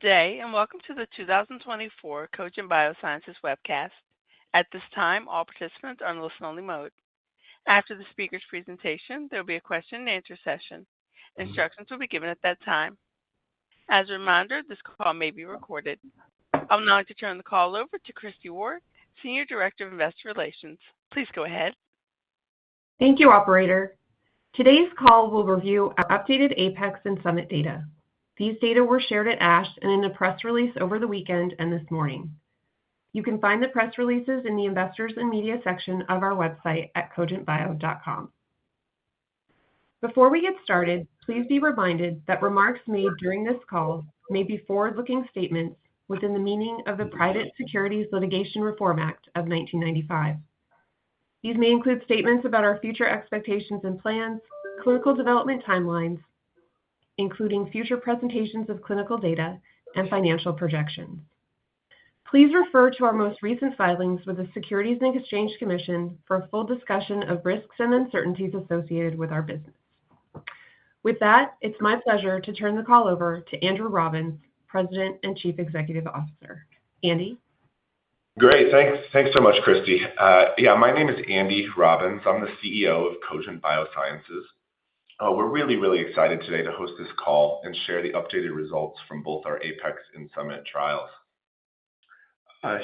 Good day, and welcome to the 2024 Cogent Biosciences webcast. At this time, all participants are in listen-only mode. After the speaker's presentation, there will be a question-and-answer session. Instructions will be given at that time. As a reminder, this call may be recorded. I'll now like to turn the call over to Christi Waarich, Senior Director of Investor Relations. Please go ahead. Thank you, Operator. Today's call will review updated APEX and SUMMIT data. These data were shared at ASH and in a press release over the weekend and this morning. You can find the press releases in the Investors and Media section of our website at cogentbio.com. Before we get started, please be reminded that remarks made during this call may be forward-looking statements within the meaning of the Private Securities Litigation Reform Act of 1995. These may include statements about our future expectations and plans, clinical development timelines, including future presentations of clinical data, and financial projections. Please refer to our most recent filings with the Securities and Exchange Commission for a full discussion of risks and uncertainties associated with our business. With that, it's my pleasure to turn the call over to Andrew Robbins, President and Chief Executive Officer. Andy? Great. Thanks so much, Christi. Yeah, my name is Andy Robbins. I'm the CEO of Cogent Biosciences. We're really, really excited today to host this call and share the updated results from both our APEX and SUMMIT trials.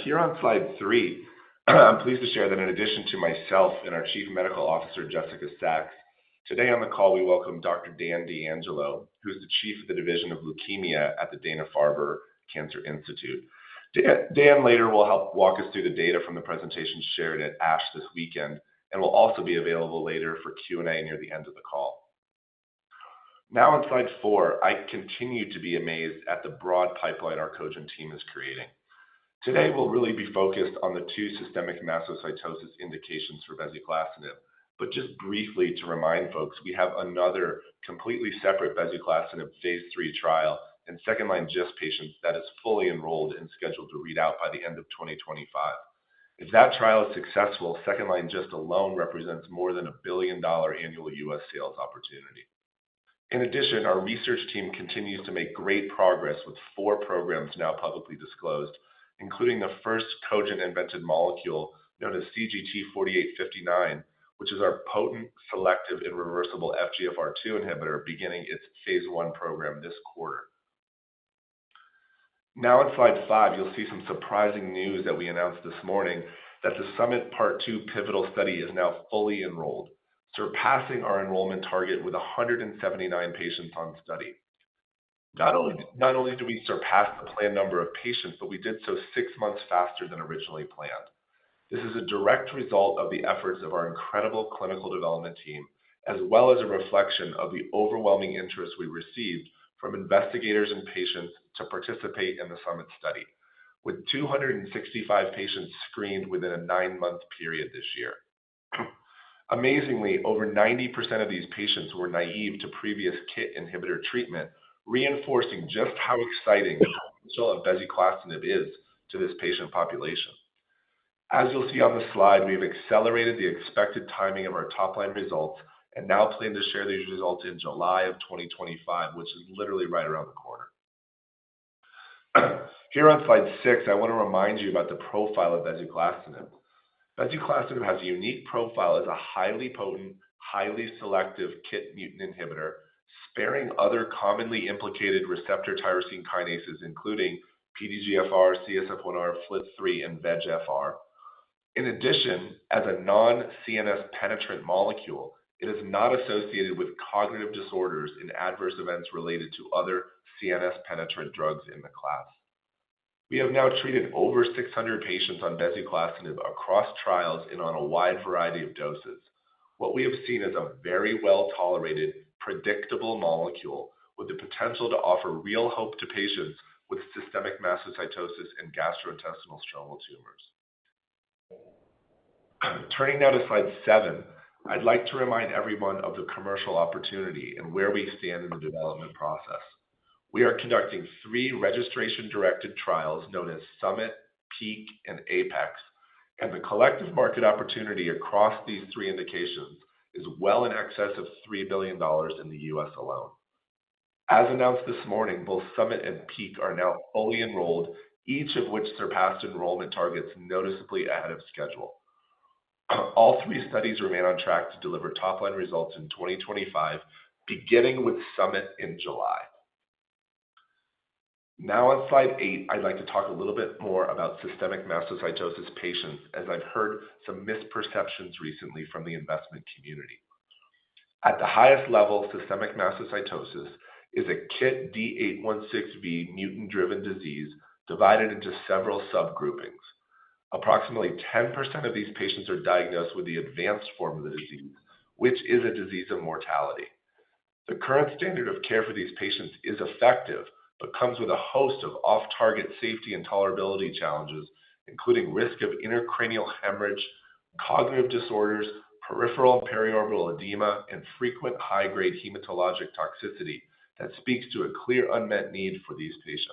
Here on slide three, I'm pleased to share that in addition to myself and our Chief Medical Officer, Jessica Sachs, today on the call, we welcome Dr. Dan DeAngelo, who is the Chief of the Division of Leukemia at the Dana-Farber Cancer Institute. Dan later will help walk us through the data from the presentation shared at ASH this weekend and will also be available later for Q&A near the end of the call. Now, on slide four, I continue to be amazed at the broad pipeline our Cogent team is creating. Today, we'll really be focused on the two systemic mastocytosis indications for bezuclastinib. Just briefly, to remind folks, we have another completely separate bezuclastinib phase III trial in second-line GIST patients that is fully enrolled and scheduled to read out by the end of 2025. If that trial is successful, second-line GIST alone represents more than a $1 billion annual U.S. sales opportunity. In addition, our research team continues to make great progress with four programs now publicly disclosed, including the first Cogent-invented molecule known as CGT-4859, which is our potent, selective, and reversible FGFR2 inhibitor beginning its phase I program this quarter. Now, on slide five, you'll see some surprising news that we announced this morning: that the SUMMIT part two pivotal study is now fully enrolled, surpassing our enrollment target with 179 patients on study. Not only did we surpass the planned number of patients, but we did so six months faster than originally planned. This is a direct result of the efforts of our incredible clinical development team, as well as a reflection of the overwhelming interest we received from investigators and patients to participate in the SUMMIT study, with 265 patients screened within a nine-month period this year. Amazingly, over 90% of these patients were naive to previous KIT inhibitor treatment, reinforcing just how exciting the potential of bezuclastinib is to this patient population. As you'll see on the slide, we have accelerated the expected timing of our top-line results and now plan to share these results in July of 2025, which is literally right around the corner. Here on slide six, I want to remind you about the profile of bezuclastinib. Bezuclastinib has a unique profile as a highly potent, highly selective KIT mutant inhibitor, sparing other commonly implicated receptor tyrosine kinases, including PDGFR, CSF1R, FLT3, and VEGFR. In addition, as a non-CNS penetrant molecule, it is not associated with cognitive disorders and adverse events related to other CNS penetrant drugs in the class. We have now treated over 600 patients on bezuclastinib across trials and on a wide variety of doses. What we have seen is a very well-tolerated, predictable molecule with the potential to offer real hope to patients with systemic mastocytosis and gastrointestinal stromal tumors. Turning now to slide seven, I'd like to remind everyone of the commercial opportunity and where we stand in the development process. We are conducting three registration-directed trials known as Summit, PEAK, and APEX, and the collective market opportunity across these three indications is well in excess of $3 billion in the U.S. alone. As announced this morning, both Summit and PEAK are now fully enrolled, each of which surpassed enrollment targets noticeably ahead of schedule. All three studies remain on track to deliver top-line results in 2025, beginning with SUMMIT in July. Now, on slide eight, I'd like to talk a little bit more about systemic mastocytosis patients, as I've heard some misperceptions recently from the investment community. At the highest level, systemic mastocytosis is a KIT D816V mutant-driven disease divided into several subgroupings. Approximately 10% of these patients are diagnosed with the advanced form of the disease, which is a disease of mortality. The current standard of care for these patients is effective but comes with a host of off-target safety and tolerability challenges, including risk of intracranial hemorrhage, cognitive disorders, peripheral and periorbital edema, and frequent high-grade hematologic toxicity that speaks to a clear unmet need for these patients.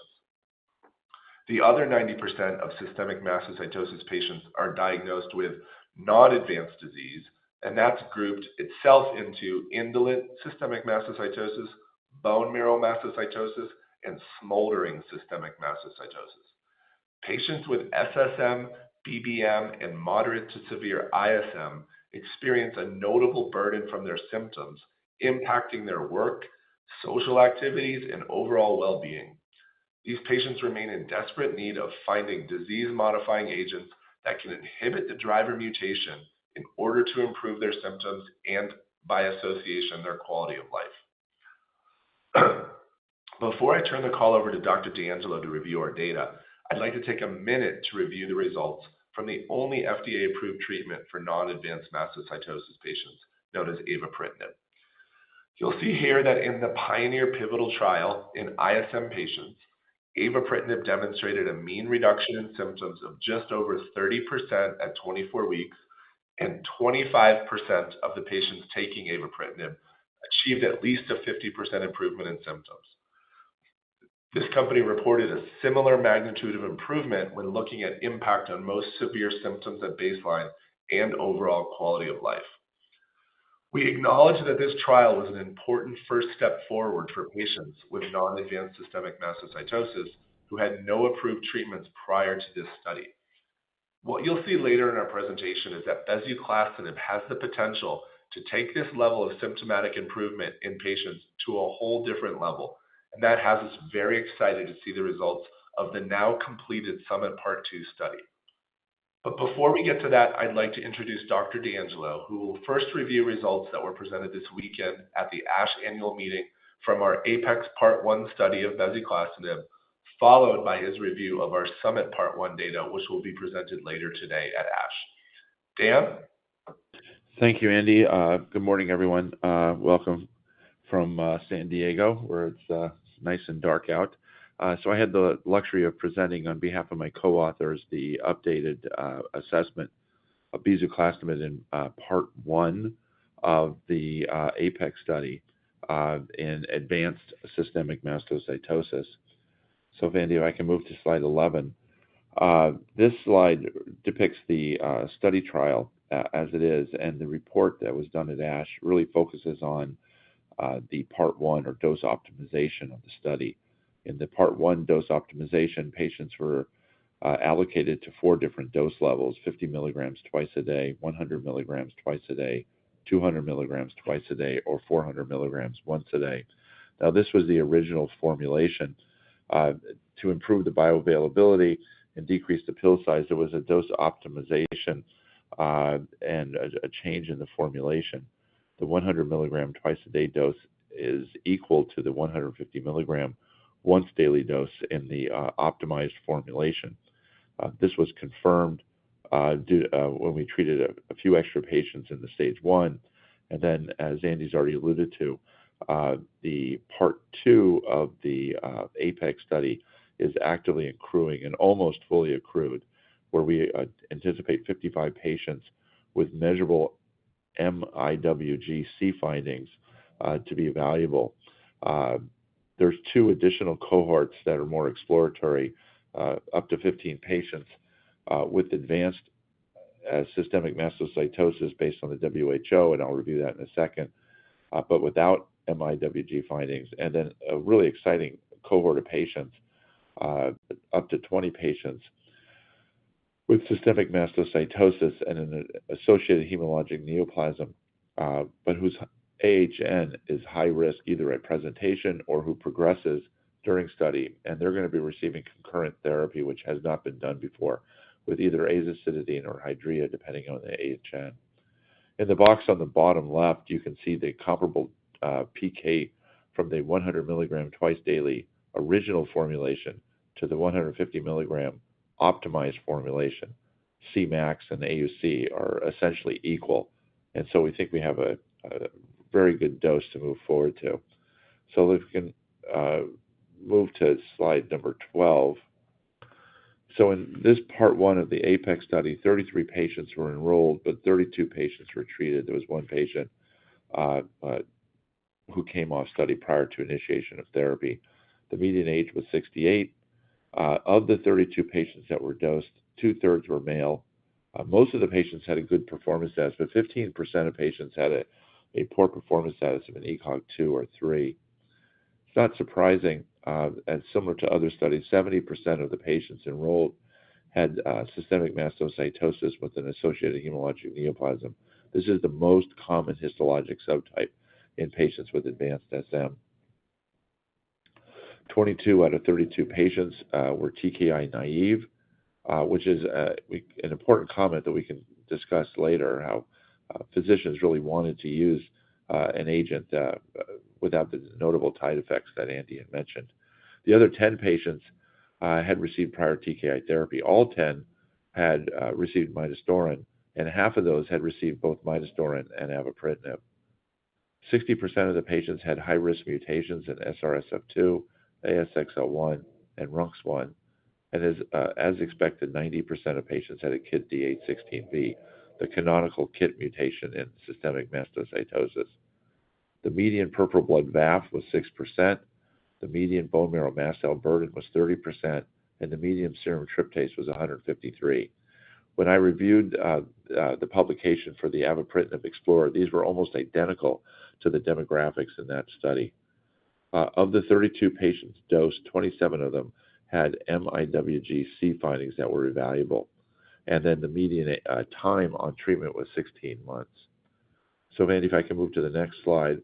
The other 90% of systemic mastocytosis patients are diagnosed with non-advanced disease, and that's grouped itself into indolent systemic mastocytosis, bone marrow mastocytosis, and smoldering systemic mastocytosis. Patients with SSM, BBM, and moderate to severe ISM experience a notable burden from their symptoms, impacting their work, social activities, and overall well-being. These patients remain in desperate need of finding disease-modifying agents that can inhibit the driver mutation in order to improve their symptoms and, by association, their quality of life. Before I turn the call over to Dr. DeAngelo to review our data, I'd like to take a minute to review the results from the only FDA-approved treatment for non-advanced mastocytosis patients known as avapritinib. You'll see here that in the PIONEER pivotal trial in ISM patients, avapritinib demonstrated a mean reduction in symptoms of just over 30% at 24 weeks, and 25% of the patients taking avapritinib achieved at least a 50% improvement in symptoms. This company reported a similar magnitude of improvement when looking at impact on most severe symptoms at baseline and overall quality of life. We acknowledge that this trial was an important first step forward for patients with non-advanced systemic mastocytosis who had no approved treatments prior to this study. What you'll see later in our presentation is that bezuclastinib has the potential to take this level of symptomatic improvement in patients to a whole different level, and that has us very excited to see the results of the now completed SUMMIT part two study. But before we get to that, I'd like to introduce Dr. D'Angelo, who will first review results that were presented this weekend at the ASH annual meeting from our APEX part one study of bezuclastinib, followed by his review of our SUMMIT part one data, which will be presented later today at ASH. Dan? Thank you, Andy. Good morning, everyone. Welcome from San Diego, where it's nice and dark out. I had the luxury of presenting on behalf of my co-authors the updated assessment of bezuclastinib in part one of the APEX study in advanced systemic mastocytosis. If Andy, if I can move to slide 11. This slide depicts the study trial as it is, and the report that was done at ASH really focuses on the part one or dose optimization of the study. In the part one dose optimization, patients were allocated to four different dose levels: 50 mg twice a day, 100 mg twice a day, 200 mg twice a day, or 400 mg once a day. Now, this was the original formulation. To improve the bioavailability and decrease the pill size, there was a dose optimization and a change in the formulation. The 100 mg twice a day dose is equal to the 150 mg once daily dose in the optimized formulation. This was confirmed when we treated a few extra patients in the stage one, and then, as Andy's already alluded to, the part two of the APEX study is actively accruing and almost fully accrued, where we anticipate 55 patients with measurable mIWG C findings to be valuable. There's two additional cohorts that are more exploratory, up to 15 patients with advanced systemic mastocytosis based on the WHO, and I'll review that in a second, but without mIWG findings. And then a really exciting cohort of patients, up to 20 patients with systemic mastocytosis and an associated hematologic neoplasm, but whose AHN is high risk either at presentation or who progresses during study, and they're going to be receiving concurrent therapy, which has not been done before, with either azacitidine or Hydrea, depending on the AHN. In the box on the bottom left, you can see the comparable PK from the 100 mg twice daily original formulation to the 150 mg optimized formulation. Cmax and AUC are essentially equal, and so we think we have a very good dose to move forward to. So if we can move to slide number 12. In this part one of the APEX study, 33 patients were enrolled, but 32 patients were treated. There was one patient who came off study prior to initiation of therapy. The median age was 68. Of the 32 patients that were dosed, two-thirds were male. Most of the patients had a good performance status, but 15% of patients had a poor performance status of an ECOG two or three. It's not surprising, as similar to other studies, 70% of the patients enrolled had systemic mastocytosis with an associated hematologic neoplasm. This is the most common histologic subtype in patients with advanced SM. 22 out of 32 patients were TKI-naive, which is an important comment that we can discuss later, how physicians really wanted to use an agent without the notable side effects that Andy had mentioned. The other 10 patients had received prior TKI therapy. All 10 had received midostaurin, and half of those had received both midostaurin and avapritinib. 60% of the patients had high-risk mutations in SRSF2, ASXL1, and RUNX1, and as expected, 90% of patients had a KIT D816V, the canonical KIT mutation in systemic mastocytosis. The median peripheral blood VAF was 6%, the median bone marrow mast cell burden was 30%, and the median serum tryptase was 153. When I reviewed the publication for the avapritinib EXPLORER, these were almost identical to the demographics in that study. Of the 32 patients dosed, 27 of them had mIWG C findings that were valuable, and then the median time on treatment was 16 months. Andy, if I can move to the next slide,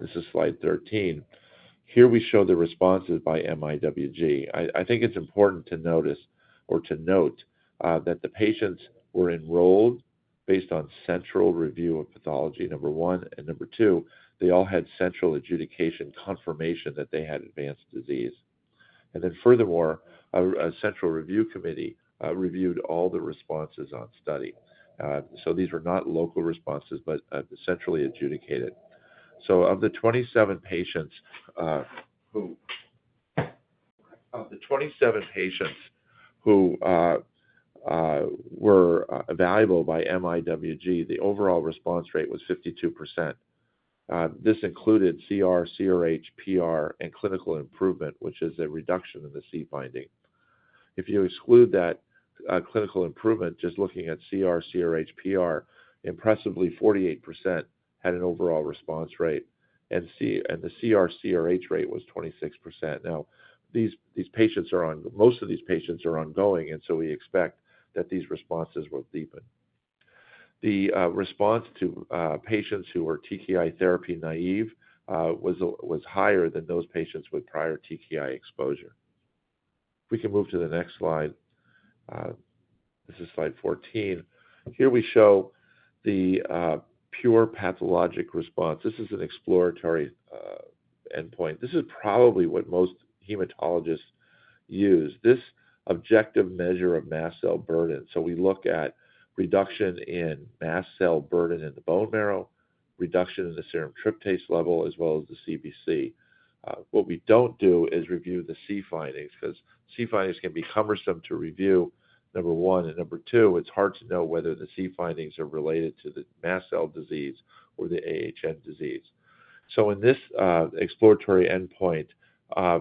this is slide 13. Here we show the responses by mIWG. I think it's important to notice or to note that the patients were enrolled based on central review of pathology number one, and number two, they all had central adjudication confirmation that they had advanced disease, and then furthermore, a central review committee reviewed all the responses on study, so these were not local responses, but centrally adjudicated, so of the 27 patients who were evaluable by mIWG, the overall response rate was 52%. This included CR, CRH, PR, and clinical improvement, which is a reduction in the C finding. If you exclude that clinical improvement, just looking at CR, CRH, PR, impressively, 48% had an overall response rate, and the CR, CRH rate was 26%. Now, most of these patients are ongoing, and so we expect that these responses were deepened. The response to patients who were TKI therapy naive was higher than those patients with prior TKI exposure. If we can move to the next slide, this is slide 14. Here we show the Pure Pathologic Response. This is an exploratory endpoint. This is probably what most hematologists use. This objective measure of mast cell burden. So we look at reduction in mast cell burden in the bone marrow, reduction in the serum tryptase level, as well as the CBC. What we don't do is review the C findings because C findings can be cumbersome to review, number one. And number two, it's hard to know whether the C findings are related to the mast cell disease or the AHN disease. So in this exploratory endpoint,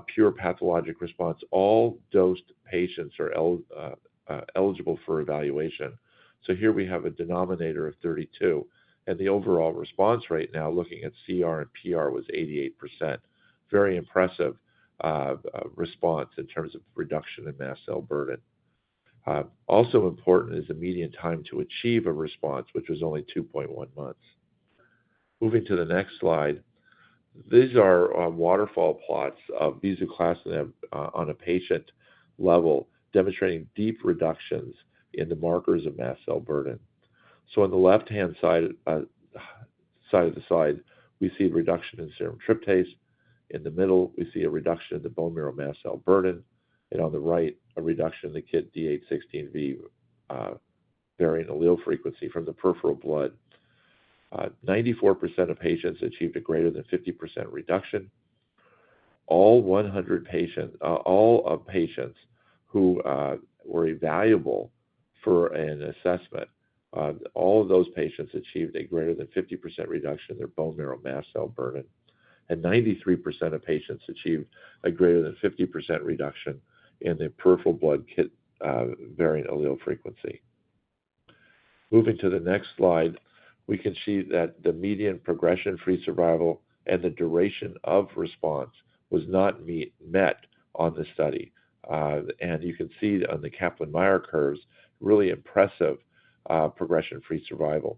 pure pathologic response, all dosed patients are eligible for evaluation. So here we have a denominator of 32, and the overall response rate now looking at CR and PR was 88%. Very impressive response in terms of reduction in mast cell burden. Also important is the median time to achieve a response, which was only 2.1 months. Moving to the next slide, these are waterfall plots of bezuclastinib on a patient level demonstrating deep reductions in the markers of mast cell burden. So on the left-hand side of the slide, we see a reduction in serum tryptase. In the middle, we see a reduction in the bone marrow mast cell burden, and on the right, a reduction in the KIT D816V bearing allele frequency from the peripheral blood. 94% of patients achieved a greater than 50% reduction. All the patients who were evaluable for an assessment achieved a greater than 50% reduction in their bone marrow mast cell burden, and 93% of patients achieved a greater than 50% reduction in the peripheral blood KIT-bearing allele frequency. Moving to the next slide, we can see that the median progression-free survival and the duration of response was not met on the study. You can see on the Kaplan-Meier curves really impressive progression-free survival.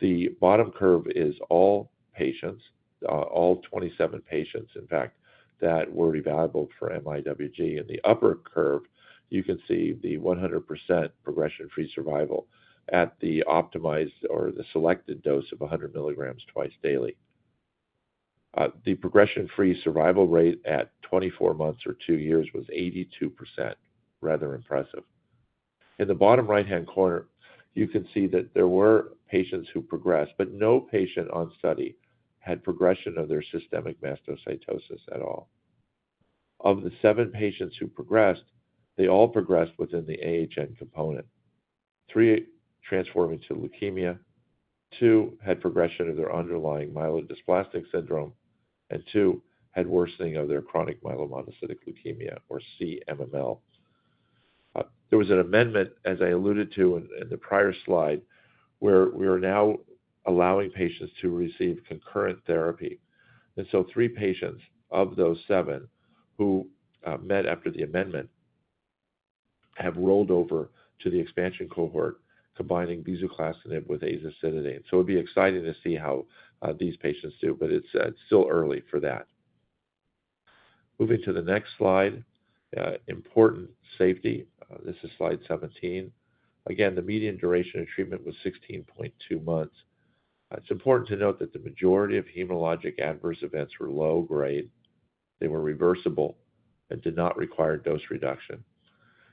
The bottom curve is all patients, all 27 patients, in fact, that were evaluable for mIWG. In the upper curve, you can see the 100% progression-free survival at the optimized or the selected dose of 100 mg twice daily. The progression-free survival rate at 24 months or two years was 82%, rather impressive. In the bottom right-hand corner, you can see that there were patients who progressed, but no patient on study had progression of their systemic mastocytosis at all. Of the seven patients who progressed, they all progressed within the AHN component. Three transforming to leukemia, two had progression of their underlying myelodysplastic syndrome, and two had worsening of their chronic myelomonocytic leukemia or CMML. There was an amendment, as I alluded to in the prior slide, where we are now allowing patients to receive concurrent therapy. And so three patients of those seven who met after the amendment have rolled over to the expansion cohort, combining bezuclastinib with azacitidine. So it would be exciting to see how these patients do, but it's still early for that. Moving to the next slide, important safety. This is slide 17. Again, the median duration of treatment was 16.2 months. It's important to note that the majority of hematologic adverse events were low grade. They were reversible and did not require dose reduction.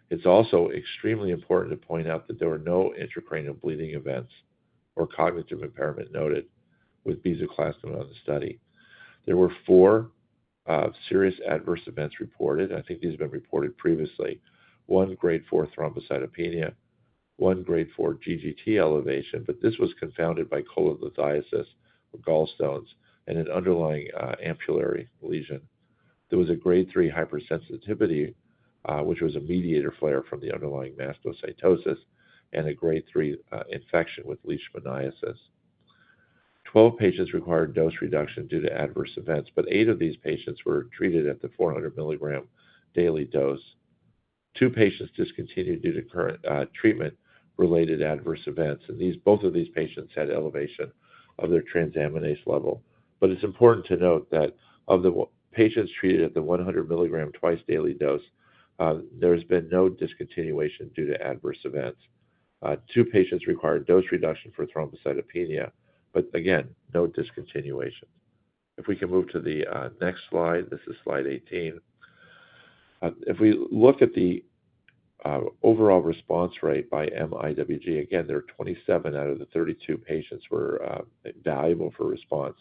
It's also extremely important to point out that there were no intracranial bleeding events or cognitive impairment noted with bezuclastinib on the study. There were four serious adverse events reported. I think these have been reported previously: one grade four thrombocytopenia, one grade four GGT elevation, but this was confounded by cholelithiasis or gallstones and an underlying ampullary lesion. There was a grade three hypersensitivity, which was a mediator flare from the underlying mastocytosis, and a grade three infection with leishmaniasis. 12 patients required dose reduction due to adverse events, but eight of these patients were treated at the 400 mg daily dose. Two patients discontinued due to current treatment-related adverse events, and both of these patients had elevation of their transaminase level. But it's important to note that of the patients treated at the 100 mg twice daily dose, there has been no discontinuation due to adverse events. Two patients required dose reduction for thrombocytopenia, but again, no discontinuation. If we can move to the next slide, this is slide 18. If we look at the overall response rate by mIWG, again, there are 27 out of the 32 patients who were evaluable for response.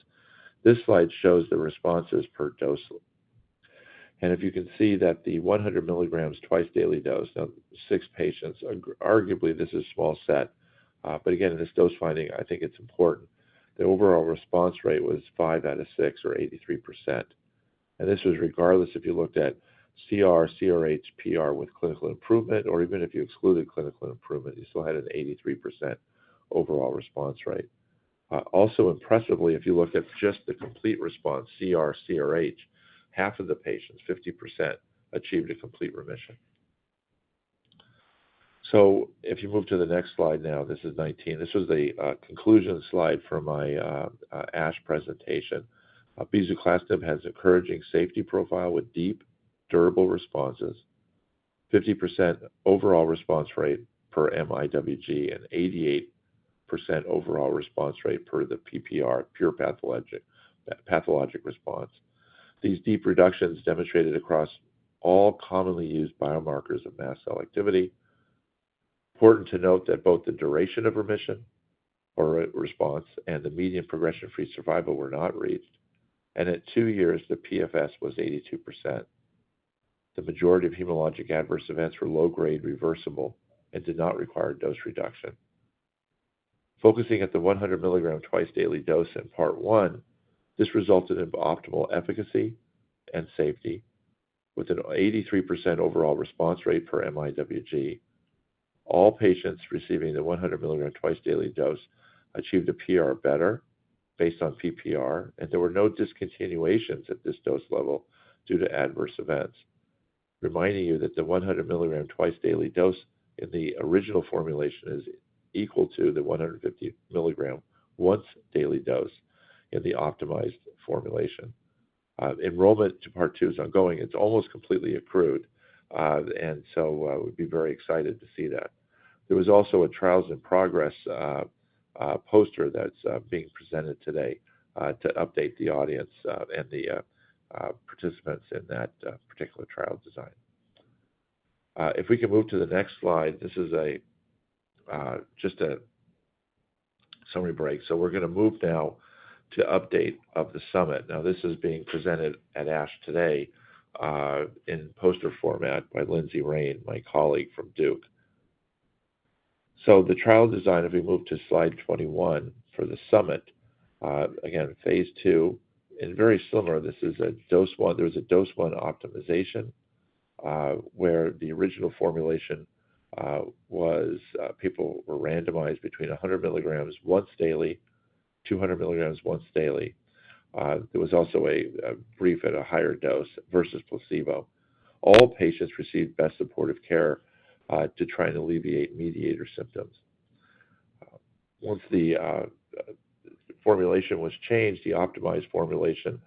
This slide shows the responses per dose. And if you can see that the 100 mg twice daily dose, now six patients, arguably this is a small set, but again, this dose finding, I think it's important. The overall response rate was five out of six or 83%. And this was regardless if you looked at CR, CRH, PR with clinical improvement, or even if you excluded clinical improvement, you still had an 83% overall response rate. Also, impressively, if you look at just the complete response, CR, CRH, half of the patients, 50%, achieved a complete remission. So if you move to the next slide now, this is 19. This was the conclusion slide from my ASH presentation. Bezuclastinib has an encouraging safety profile with deep, durable responses, 50% overall response rate per mIWG, and 88% overall response rate per the PPR, pure pathologic response. These deep reductions demonstrated across all commonly used biomarkers of mast cell activity. Important to note that both the duration of remission or response and the median progression-free survival were not reached, and at two years, the PFS was 82%. The majority of hematologic adverse events were low grade, reversible, and did not require dose reduction. Focusing at the 100 mg twice daily dose in part one, this resulted in optimal efficacy and safety with an 83% overall response rate per mIWG. All patients receiving the 100 mg twice daily dose achieved a PR better based on PPR, and there were no discontinuations at this dose level due to adverse events. Reminding you that the 100 mg twice daily dose in the original formulation is equal to the 150 mg once daily dose in the optimized formulation. Enrollment to part two is ongoing. It's almost completely accrued, and so we'd be very excited to see that. There was also a trials in progress poster that's being presented today to update the audience and the participants in that particular trial design. If we can move to the next slide, this is just a summary break. So we're going to move now to update of the SUMMIT. Now, this is being presented at ASH today in poster format by Lindsay Rein, my colleague from Duke. So the trial design, if we move to slide 21 for the SUMMIT, again, phase 2, and very similar, this is a dose one. There was a dose one optimization where the original formulation was people were randomized between 100 mg once daily, 200 mg once daily. There was also a brief at a higher dose versus placebo. All patients received best supportive care to try and alleviate mediator symptoms. Once the formulation was changed, the optimized formulation,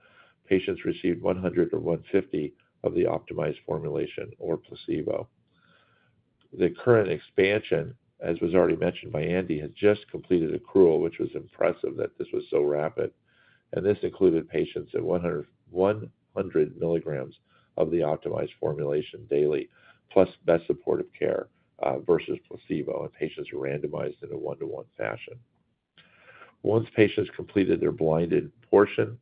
patients received 100 or 150 of the optimized formulation or placebo. The current expansion, as was already mentioned by Andy, has just completed accrual, which was impressive that this was so rapid. This included patients at 100 mg of the optimized formulation daily, plus best supportive care versus placebo, and patients were randomized in a one-to-one fashion. Once patients completed their blinded portion,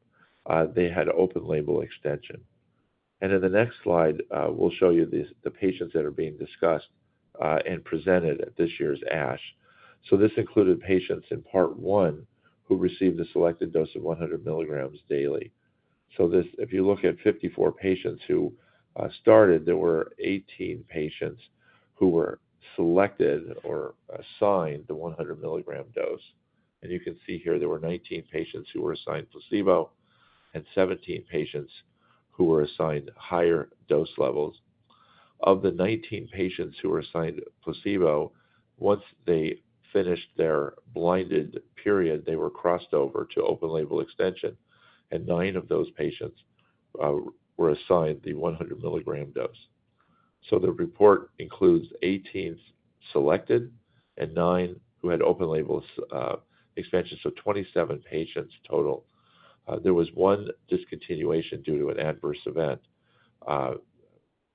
they had open label extension. In the next slide, we'll show you the patients that are being discussed and presented at this year's ASH. This included patients in part one who received the selected dose of 100 mg daily. If you look at 54 patients who started, there were 18 patients who were selected or assigned the 100 mg dose. You can see here there were 19 patients who were assigned placebo and 17 patients who were assigned higher dose levels. Of the 19 patients who were assigned placebo, once they finished their blinded period, they were crossed over to open label extension, and nine of those patients were assigned the 100 mg dose. The report includes 18 selected and nine who had open label expansion, so 27 patients total. There was one discontinuation due to an adverse event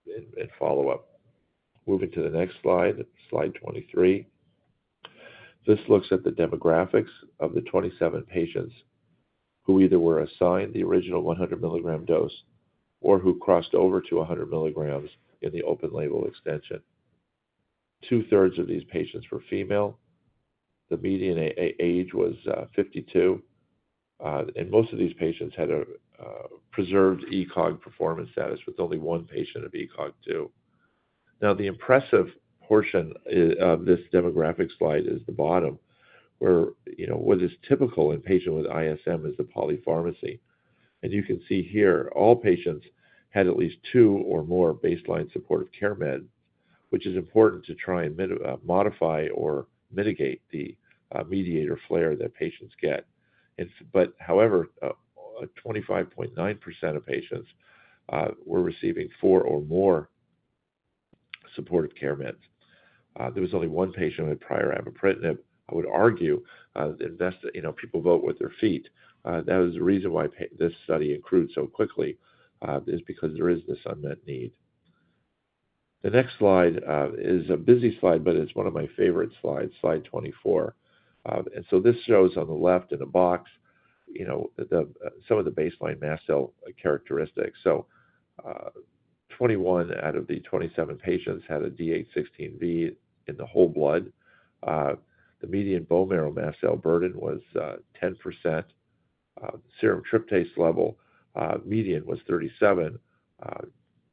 in follow-up. Moving to the next slide, slide 23. This looks at the demographics of the 27 patients who either were assigned the original 100 mg dose or who crossed over to 100 mg in the open label extension. Two-thirds of these patients were female. The median age was 52. Most of these patients had a preserved ECOG performance status with only one patient of ECOG 2. Now, the impressive portion of this demographic slide is the bottom, where what is typical in patients with ISM is the polypharmacy. You can see here, all patients had at least two or more baseline supportive care meds, which is important to try and modify or mitigate the mediator flare that patients get. But however, 25.9% of patients were receiving four or more supportive care meds. There was only one patient who had prior amitriptyline. I would argue that people vote with their feet. That was the reason why this study accrued so quickly is because there is this unmet need. The next slide is a busy slide, but it's one of my favorite slides, slide 24. And so this shows on the left in a box some of the baseline mast cell characteristics. So 21 out of the 27 patients had a D816V in the whole blood. The median bone marrow mast cell burden was 10%. Serum tryptase level median was 37.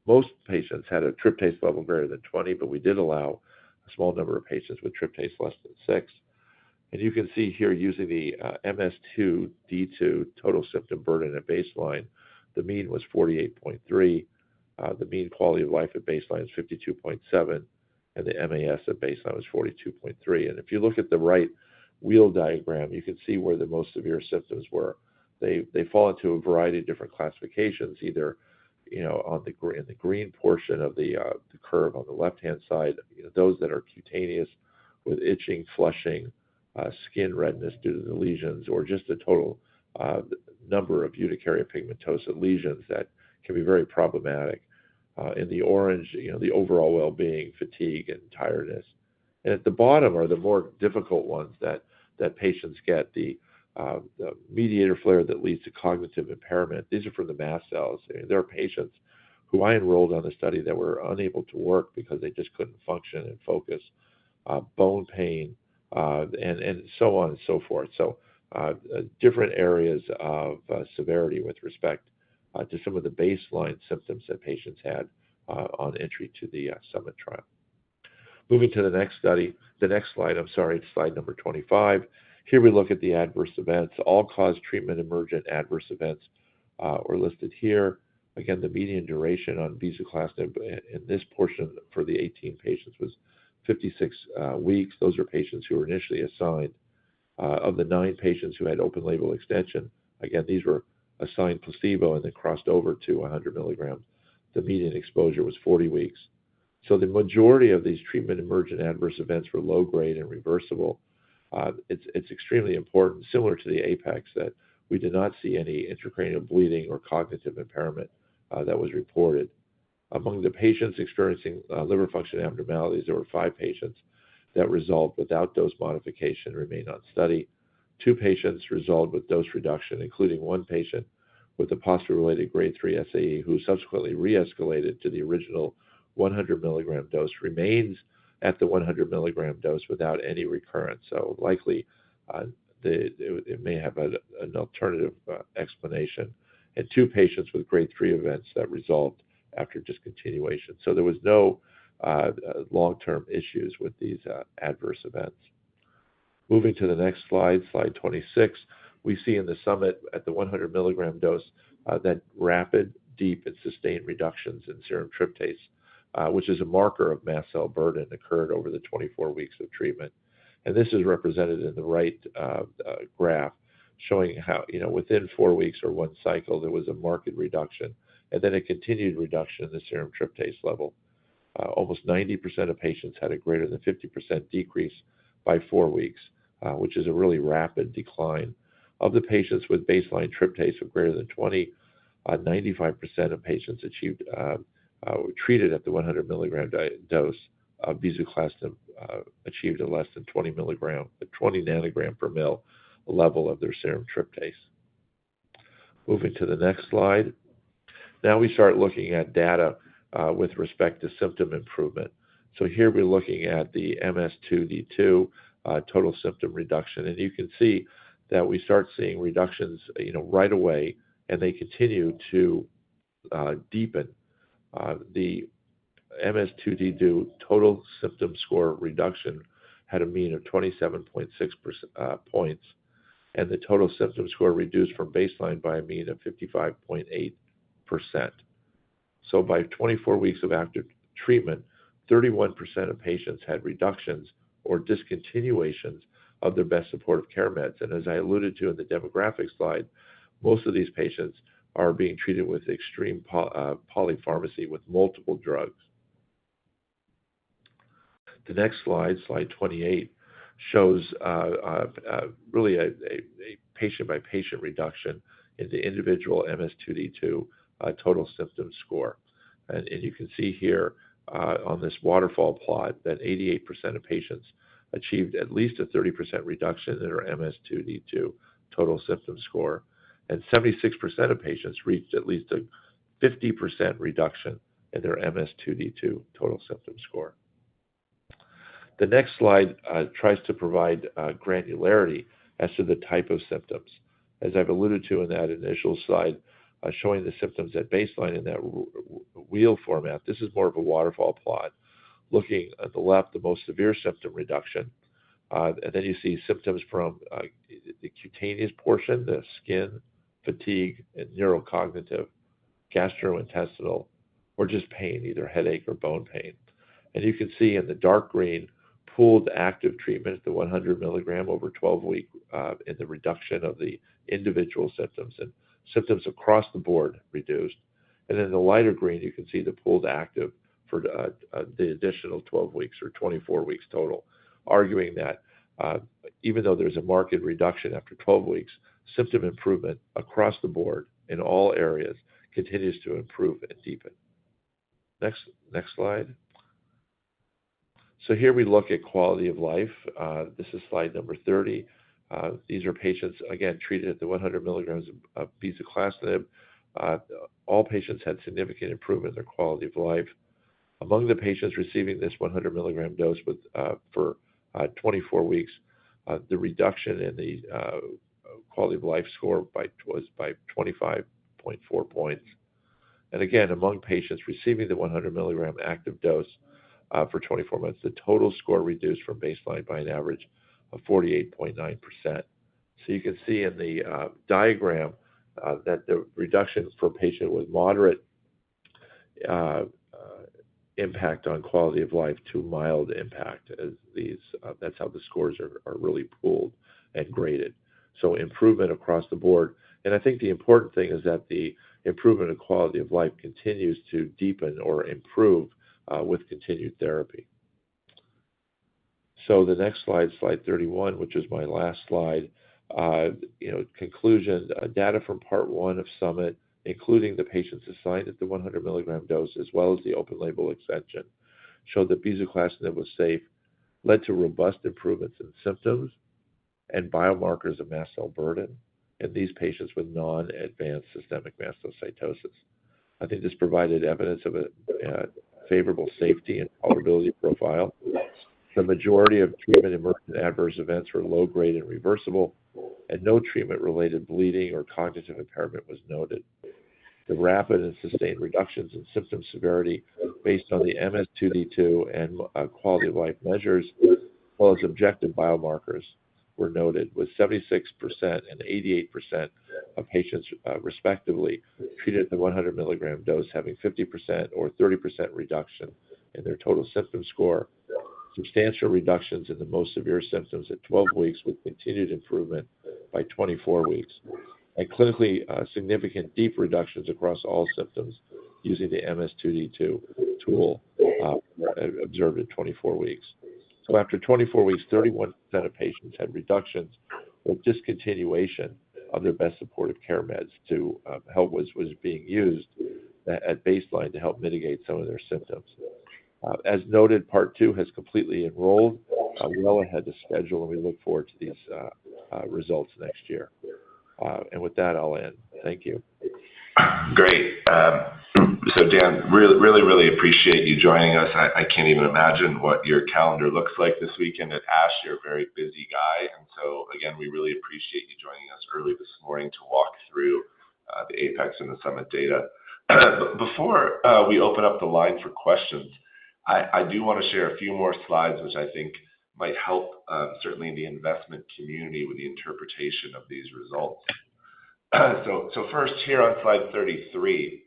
Most patients had a tryptase level greater than 20, but we did allow a small number of patients with tryptase less than 6. And you can see here using the MS2D2 total symptom burden at baseline, the mean was 48.3. The mean quality of life at baseline is 52.7, and the MAS at baseline was 42.3. If you look at the right wheel diagram, you can see where the most severe symptoms were. They fall into a variety of different classifications, either in the green portion of the curve on the left-hand side, those that are cutaneous with itching, flushing, skin redness due to the lesions, or just a total number of urticaria pigmentosa lesions that can be very problematic. In the orange, the overall well-being, fatigue, and tiredness. At the bottom are the more difficult ones that patients get, the mediator flare that leads to cognitive impairment. These are for the mast cells. There are patients who I enrolled on the study that were unable to work because they just couldn't function and focus, bone pain, and so on and so forth. So different areas of severity with respect to some of the baseline symptoms that patients had on entry to the SUMMIT trial. Moving to the next study, the next slide, I'm sorry, slide number 25. Here we look at the adverse events. All-cause treatment-emergent adverse events are listed here. Again, the median duration on bezuclastinib in this portion for the 18 patients was 56 weeks. Those are patients who were initially assigned. Of the nine patients who had open-label extension, again, these were assigned placebo and then crossed over to 100 mg. The median exposure was 40 weeks. So the majority of these treatment-emergent adverse events were low-grade and reversible. It's extremely important, similar to the APEX, that we did not see any intracranial bleeding or cognitive impairment that was reported. Among the patients experiencing liver function abnormalities, there were five patients that resolved without dose modification and remained on study. Two patients resolved with dose reduction, including one patient with a posture-related grade three SAE who subsequently re-escalated to the original 100 mg dose, remains at the 100 mg dose without any recurrence, so likely it may have an alternative explanation, and two patients with grade three events that resolved after discontinuation, so there were no long-term issues with these adverse events. Moving to the next slide, slide 26, we see in the SUMMIT at the 100 mg dose that rapid, deep, and sustained reductions in serum tryptase, which is a marker of mast cell burden, occurred over the 24 weeks of treatment. This is represented in the right graph showing how within four weeks or one cycle, there was a marked reduction, and then a continued reduction in the serum tryptase level. Almost 90% of patients had a greater than 50% decrease by four weeks, which is a really rapid decline. Of the patients with baseline tryptase of greater than 20, 95% of patients treated at the 100 mg dose of bezuclastinib achieved a less than 20 ng/mL level of their serum tryptase. Moving to the next slide. Now we start looking at data with respect to symptom improvement. So here we're looking at the MS2D2 total symptom reduction. You can see that we start seeing reductions right away, and they continue to deepen. The MS2D2 total symptom score reduction had a mean of 27.6 points, and the total symptom score reduced from baseline by a mean of 55.8%. So by 24 weeks of active treatment, 31% of patients had reductions or discontinuations of their best supportive care meds. And as I alluded to in the demographic slide, most of these patients are being treated with extreme polypharmacy with multiple drugs. The next slide, slide 28, shows really a patient-by-patient reduction in the individual MS2D2 total symptom score. And you can see here on this waterfall plot that 88% of patients achieved at least a 30% reduction in their MS2D2 total symptom score. And 76% of patients reached at least a 50% reduction in their MS2D2 total symptom score. The next slide tries to provide granularity as to the type of symptoms. As I've alluded to in that initial slide, showing the symptoms at baseline in that wheel format, this is more of a waterfall plot. Looking at the left, the most severe symptom reduction. And then you see symptoms from the cutaneous portion, the skin, fatigue, and neurocognitive, gastrointestinal, or just pain, either headache or bone pain. And you can see in the dark green, pooled active treatment, the 100 mg over 12 weeks in the reduction of the individual symptoms and symptoms across the board reduced. And in the lighter green, you can see the pooled active for the additional 12 weeks or 24 weeks total, arguing that even though there's a marked reduction after 12 weeks, symptom improvement across the board in all areas continues to improve and deepen. Next slide. So here we look at quality of life. This is slide number 30. These are patients, again, treated at the 100 mg of bezuclastinib. All patients had significant improvement in their quality of life. Among the patients receiving this 100 mg dose for 24 weeks, the reduction in the quality of life score was by 25.4 points. And again, among patients receiving the 100 mg active dose for 24 months, the total score reduced from baseline by an average of 48.9%. So you can see in the diagram that the reduction for a patient with moderate impact on quality of life to mild impact, that's how the scores are really pooled and graded. So improvement across the board. And I think the important thing is that the improvement in quality of life continues to deepen or improve with continued therapy. So the next slide, slide 31, which is my last slide. conclusion, data from part one of SUMMIT, including the patients assigned at the 100 mg dose as well as the open-label extension, showed that bezuclastinib was safe, led to robust improvements in symptoms and biomarkers of mast cell burden in these patients with non-advanced systemic mastocytosis. I think this provided evidence of a favorable safety and tolerability profile. The majority of treatment-emergent adverse events were low-grade and reversible, and no treatment-related bleeding or cognitive impairment was noted. The rapid and sustained reductions in symptom severity based on the MS2D2 and quality of life measures, as well as objective biomarkers, were noted, with 76% and 88% of patients respectively treated at the 100 mg dose having 50% or 30% reduction in their total symptom score, substantial reductions in the most severe symptoms at 12 weeks with continued improvement by 24 weeks, and clinically significant deep reductions across all symptoms using the MS2D2 tool observed at 24 weeks. After 24 weeks, 31% of patients had reductions with discontinuation of their best supportive care meds to help with what was being used at baseline to help mitigate some of their symptoms. As noted, part two has completely enrolled well ahead of schedule, and we look forward to these results next year. With that, I'll end. Thank you. Great. Dan, really, really appreciate you joining us. I can't even imagine what your calendar looks like this weekend at ASH. You're a very busy guy. And so again, we really appreciate you joining us early this morning to walk through the APEX and the SUMMIT data. Before we open up the line for questions, I do want to share a few more slides, which I think might help certainly the investment community with the interpretation of these results. So first, here on slide 33,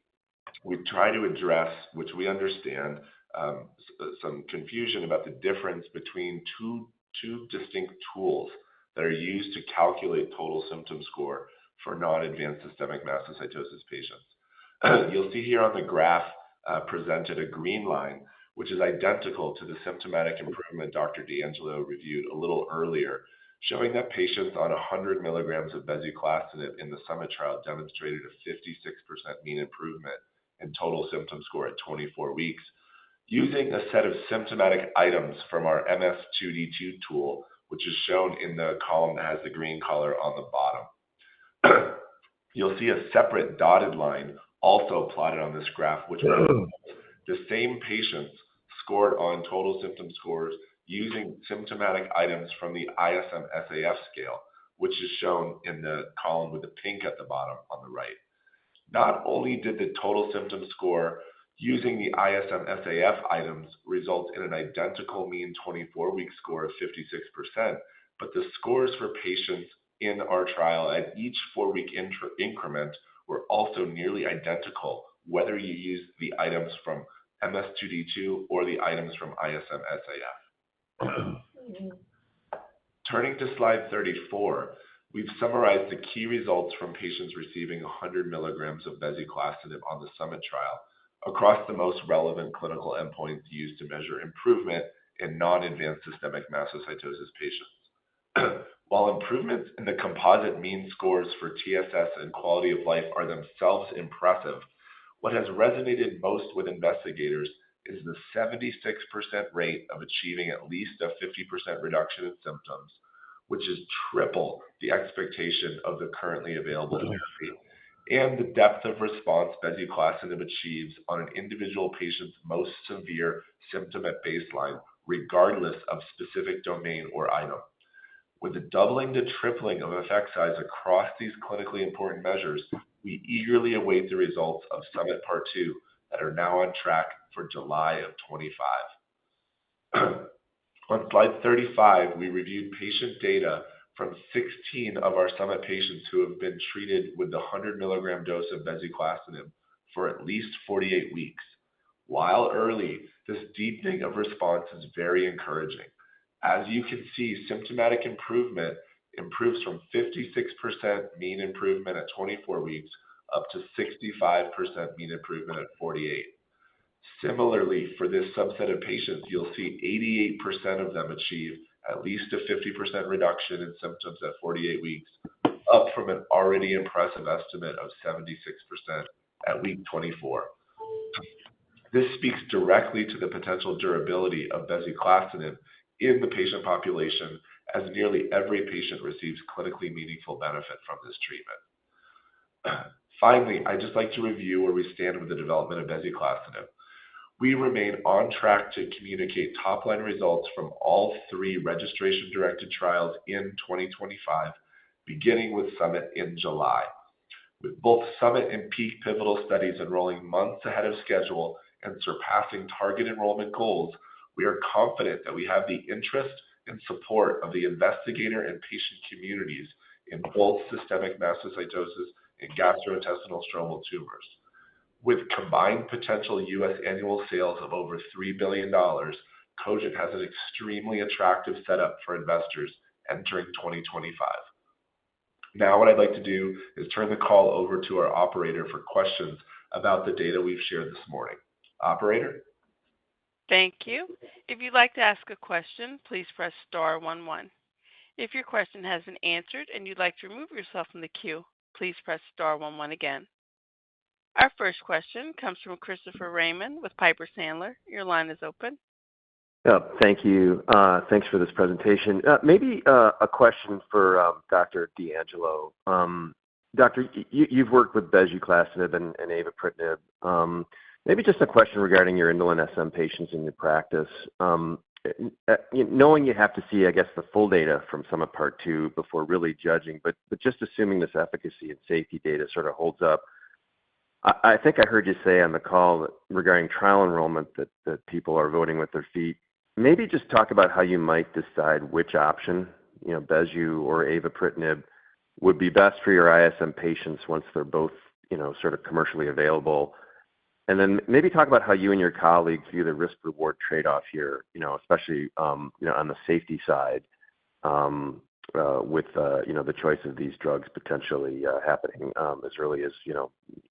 we try to address, which we understand, some confusion about the difference between two distinct tools that are used to calculate total symptom score for non-advanced systemic mastocytosis patients. You'll see here on the graph presented a green line, which is identical to the symptomatic improvement Dr. D'Angelo reviewed a little earlier, showing that patients on 100 mg of bezuclastinib in the SUMMIT trial demonstrated a 56% mean improvement in total symptom score at 24 weeks using a set of symptomatic items from our MS2D2 tool, which is shown in the column that has the green color on the bottom. You'll see a separate dotted line also plotted on this graph, which represents the same patients scored on total symptom scores using symptomatic items from the ISM-SAF scale, which is shown in the column with the pink at the bottom on the right. Not only did the total symptom score using the ISM-SAF items result in an identical mean 24-week score of 56%, but the scores for patients in our trial at each four-week increment were also nearly identical, whether you use the items from MS2D2 or the items from ISM-SAF. Turning to slide 34, we've summarized the key results from patients receiving 100 mg of bezuclastinib on the summit trial across the most relevant clinical endpoints used to measure improvement in non-advanced systemic mastocytosis patients. While improvements in the composite mean scores for TSS and quality of life are themselves impressive, what has resonated most with investigators is the 76% rate of achieving at least a 50% reduction in symptoms, which is triple the expectation of the currently available therapy and the depth of response bezuclastinib achieves on an individual patient's most severe symptom at baseline, regardless of specific domain or item. With the doubling to tripling of effect size across these clinically important measures, we eagerly await the results of SUMMIT part two that are now on track for July of 2025. On slide 35, we reviewed patient data from 16 of our SUMMIT patients who have been treated with the 100 mg dose of bezuclastinib for at least 48 weeks. While early, this deepening of response is very encouraging. As you can see, symptomatic improvement improves from 56% mean improvement at 24 weeks up to 65% mean improvement at 48. Similarly, for this subset of patients, you'll see 88% of them achieve at least a 50% reduction in symptoms at 48 weeks, up from an already impressive estimate of 76% at week 24. This speaks directly to the potential durability of bezuclastinib in the patient population, as nearly every patient receives clinically meaningful benefit from this treatment. Finally, I'd just like to review where we stand with the development of bezuclastinib. We remain on track to communicate top-line results from all three registration-directed trials in 2025, beginning with SUMMIT in July. With both SUMMIT and PEAK pivotal studies enrolling months ahead of schedule and surpassing target enrollment goals, we are confident that we have the interest and support of the investigator and patient communities in both systemic mastocytosis and gastrointestinal stromal tumors. With combined potential U.S. annual sales of over $3 billion, Cogent has an extremely attractive setup for investors entering 2025. Now, what I'd like to do is turn the call over to our operator for questions about the data we've shared this morning. Operator? Thank you. If you'd like to ask a question, please press star one one. If your question has been answered and you'd like to remove yourself from the queue, please press star one one again. Our first question comes from Christopher Raymond with Piper Sandler. Your line is open. Thank you. Thanks for this presentation. Maybe a question for Dr. DeAngelo. Doctor, you've worked with bezuclastinib and avapritinib. Maybe just a question regarding your indolent SM patients in your practice. Knowing you have to see, I guess, the full data from SUMMIT part two before really judging, but just assuming this efficacy and safety data sort of holds up, I think I heard you say on the call regarding trial enrollment that people are voting with their feet. Maybe just talk about how you might decide which option, Bezu or avapritinib, would be best for your ISM patients once they're both sort of commercially available. And then maybe talk about how you and your colleagues view the risk-reward trade-off here, especially on the safety side with the choice of these drugs potentially happening as early as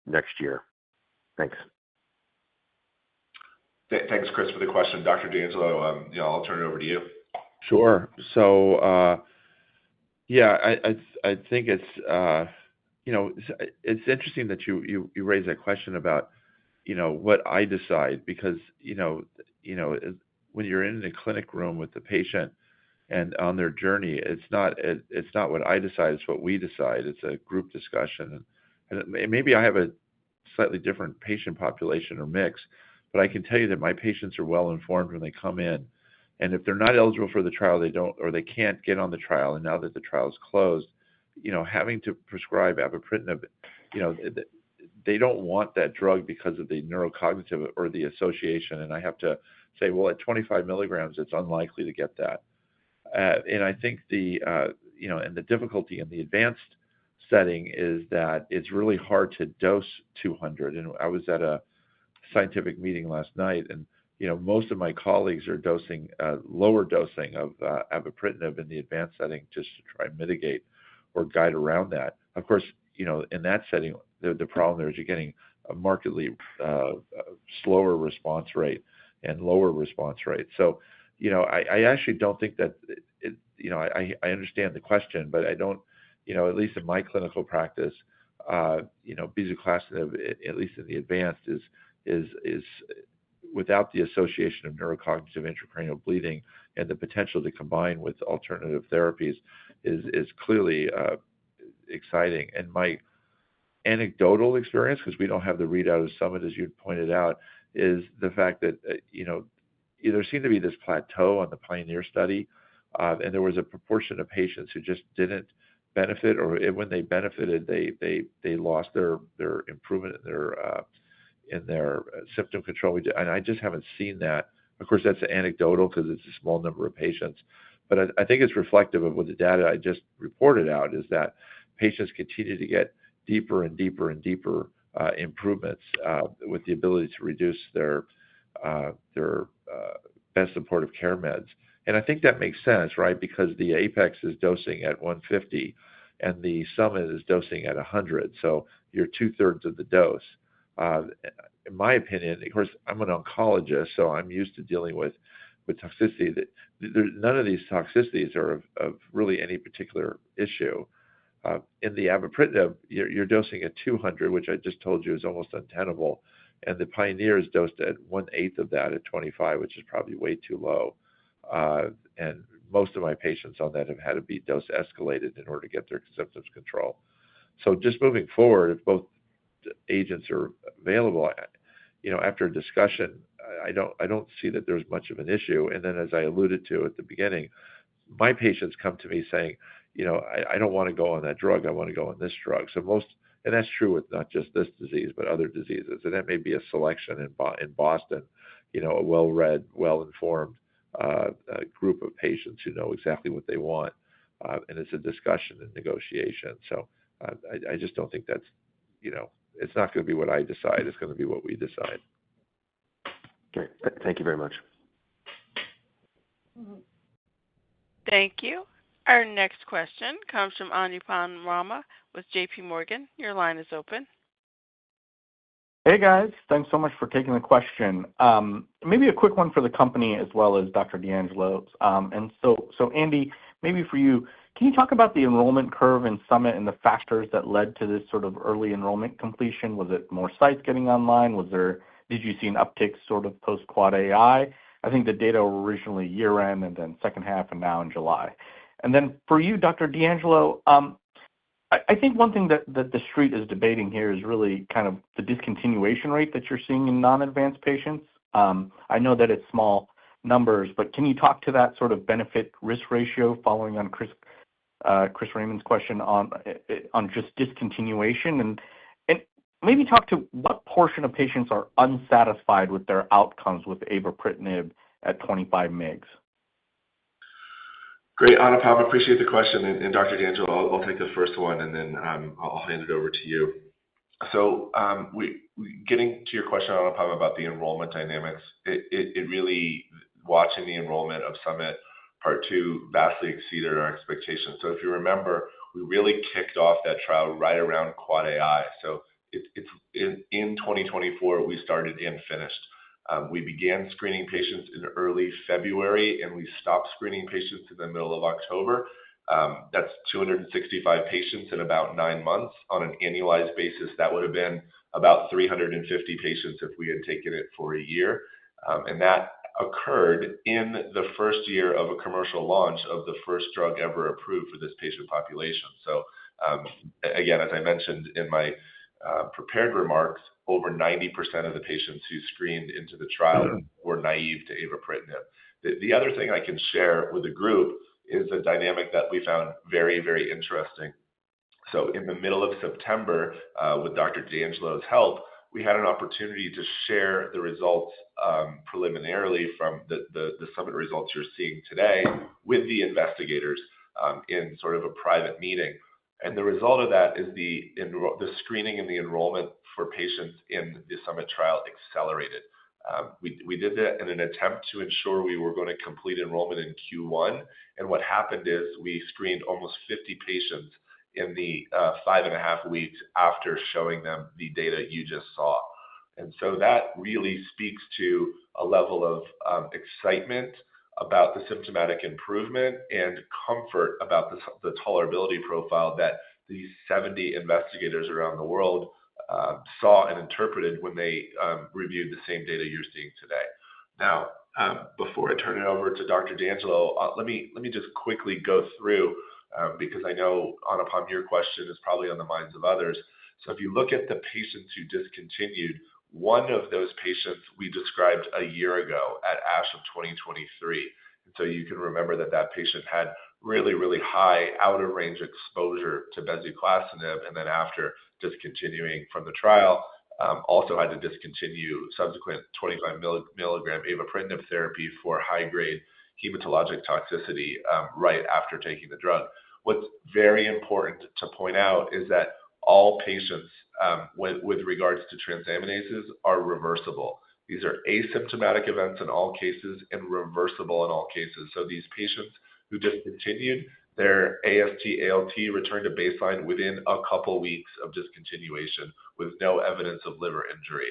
next year. Thanks. Thanks, Chris, for the question. Dr. DeAngelo, I'll turn it over to you. Sure. So yeah, I think it's interesting that you raise that question about what I decide because when you're in the clinic room with the patient and on their journey, it's not what I decide. It's what we decide. It's a group discussion. And maybe I have a slightly different patient population or mix, but I can tell you that my patients are well-informed when they come in. And if they're not eligible for the trial or they can't get on the trial and now that the trial is closed, having to prescribe avapritinib, they don't want that drug because of the neurocognitive or the association. And I have to say, well, at 25 mg, it's unlikely to get that. And I think the difficulty in the advanced setting is that it's really hard to dose 200. And I was at a scientific meeting last night, and most of my colleagues are dosing lower dosing of avapritinib in the advanced setting just to try and mitigate or guide around that. Of course, in that setting, the problem there is you're getting a markedly slower response rate and lower response rate. So I actually don't think that I understand the question, but I don't. At least in my clinical practice, bezuclastinib, at least in the advanced, is without the association of neurocognitive intracranial bleeding and the potential to combine with alternative therapies is clearly exciting. My anecdotal experience, because we don't have the readout of SUMMIT, as you'd pointed out, is the fact that there seemed to be this plateau on the PIONEER study, and there was a proportion of patients who just didn't benefit, or when they benefited, they lost their improvement in their symptom control. I just haven't seen that. Of course, that's anecdotal because it's a small number of patients. But I think it's reflective of what the data I just reported out is that patients continue to get deeper and deeper and deeper improvements with the ability to reduce their best supportive care meds. I think that makes sense, right? Because the APEX is dosing at 150 and the SUMMIT is dosing at 100. So you're two-thirds of the dose. In my opinion, of course, I'm an oncologist, so I'm used to dealing with toxicity. None of these toxicities are of really any particular issue. In the avapritinib, you're dosing at 200, which I just told you is almost untenable. And the PIONEER is dosed at 1/8 of that at 25, which is probably way too low. And most of my patients on that have had to be dose escalated in order to get their symptoms controlled. So just moving forward, if both agents are available, after a discussion, I don't see that there's much of an issue. And then, as I alluded to at the beginning, my patients come to me saying, "I don't want to go on that drug. I want to go on this drug." And that's true with not just this disease, but other diseases. And that may be a selection in Boston, a well-read, well-informed group of patients who know exactly what they want. It's a discussion and negotiation. So I just don't think that it's not going to be what I decide. It's going to be what we decide. Great. Thank you very much. Thank you. Our next question comes from Anupam Rama with JPMorgan. Your line is open. Hey, guys. Thanks so much for taking the question. Maybe a quick one for the company as well as Dr. DeAngelo. And so, Andy, maybe for you, can you talk about the enrollment curve in SUMMIT and the factors that led to this sort of early enrollment completion? Was it more sites getting online? Did you see an uptick sort of post-Quad AI? I think the data were originally year-end and then second half and now in July. And then for you, Dr. D'Angelo, I think one thing that the street is debating here is really kind of the discontinuation rate that you're seeing in non-advanced patients. I know that it's small numbers, but can you talk to that sort of benefit-risk ratio following on Christopher Raymond's question on just discontinuation? And maybe talk to what portion of patients are unsatisfied with their outcomes with avapritinib at 25 mg? Great. Anupam, I appreciate the question. And Dr. DeAngelo, I'll take the first one, and then I'll hand it over to you. So getting to your question, Anupam, about the enrollment dynamics, it really watching the enrollment of SUMMIT Part 2 vastly exceeded our expectations. So if you remember, we really kicked off that trial right around Quad AI. So in 2024, we started and finished. We began screening patients in early February, and we stopped screening patients in the middle of October. That's 265 patients in about nine months. On an annualized basis, that would have been about 350 patients if we had taken it for a year. And that occurred in the first year of a commercial launch of the first drug ever approved for this patient population. So again, as I mentioned in my prepared remarks, over 90% of the patients who screened into the trial were naive to avapritinib. The other thing I can share with the group is a dynamic that we found very, very interesting. So in the middle of September, with Dr. DeAngelo's help, we had an opportunity to share the results preliminarily from the summit results you're seeing today with the investigators in sort of a private meeting. And the result of that is the screening and the enrollment for patients in the summit trial accelerated. We did that in an attempt to ensure we were going to complete enrollment in Q1. And what happened is we screened almost 50 patients in the five and a half weeks after showing them the data you just saw. And so that really speaks to a level of excitement about the symptomatic improvement and comfort about the tolerability profile that these 70 investigators around the world saw and interpreted when they reviewed the same data you're seeing today. Now, before I turn it over to Dr. DeAngelo, let me just quickly go through because I know Anupam, your question is probably on the minds of others. So if you look at the patients who discontinued, one of those patients we described a year ago at ASH of 2023. And so you can remember that that patient had really, really high outer range exposure to bezuclastinib. And then after discontinuing from the trial, also had to discontinue subsequent 25 mg avapritinib therapy for high-grade hematologic toxicity right after taking the drug. What's very important to point out is that all patients with regards to transaminases are reversible. These are asymptomatic events in all cases and reversible in all cases. So these patients who discontinued, their AST/ALT returned to baseline within a couple of weeks of discontinuation with no evidence of liver injury.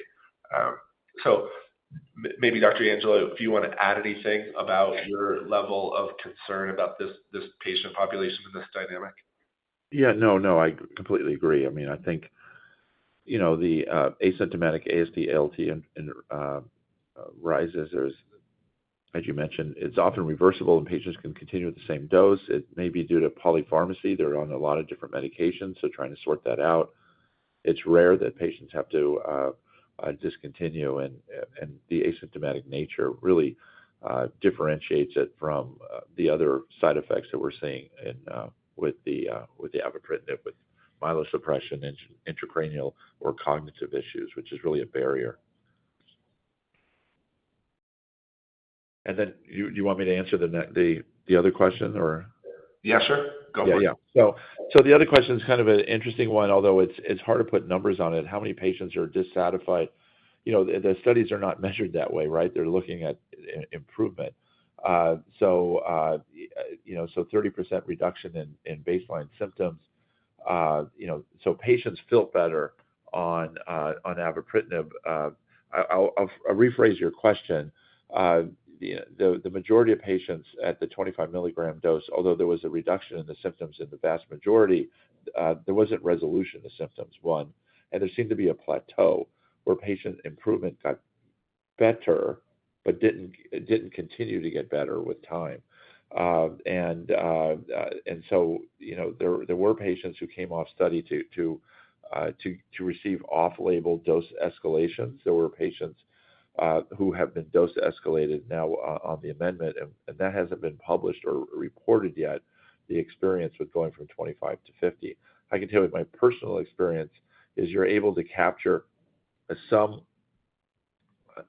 So maybe, Dr. DeAngelo, if you want to add anything about your level of concern about this patient population in this dynamic? Yeah. No, no. I completely agree. I mean, I think the asymptomatic AST/ALT rises, as you mentioned, it's often reversible and patients can continue with the same dose. It may be due to polypharmacy. They're on a lot of different medications. So trying to sort that out, it's rare that patients have to discontinue. And the asymptomatic nature really differentiates it from the other side effects that we're seeing with avapritinib with myelosuppression and intracranial or cognitive issues, which is really a barrier. And then do you want me to answer the other question, or? Yes, sir. Go ahead. Yeah. So the other question is kind of an interesting one, although it's hard to put numbers on it. How many patients are dissatisfied? The studies are not measured that way, right? They're looking at improvement. So 30% reduction in baseline symptoms. So patients feel better on avapritinib. I'll rephrase your question. The majority of patients at the 25-mg dose, although there was a reduction in the symptoms in the vast majority, there wasn't resolution of symptoms, one. There seemed to be a plateau where patient improvement got better but didn't continue to get better with time. There were patients who came off study to receive off-label dose escalations. There were patients who have been dose escalated now on the amendment. That hasn't been published or reported yet, the experience with going from 25 to 50. I can tell you my personal experience is you're able to capture some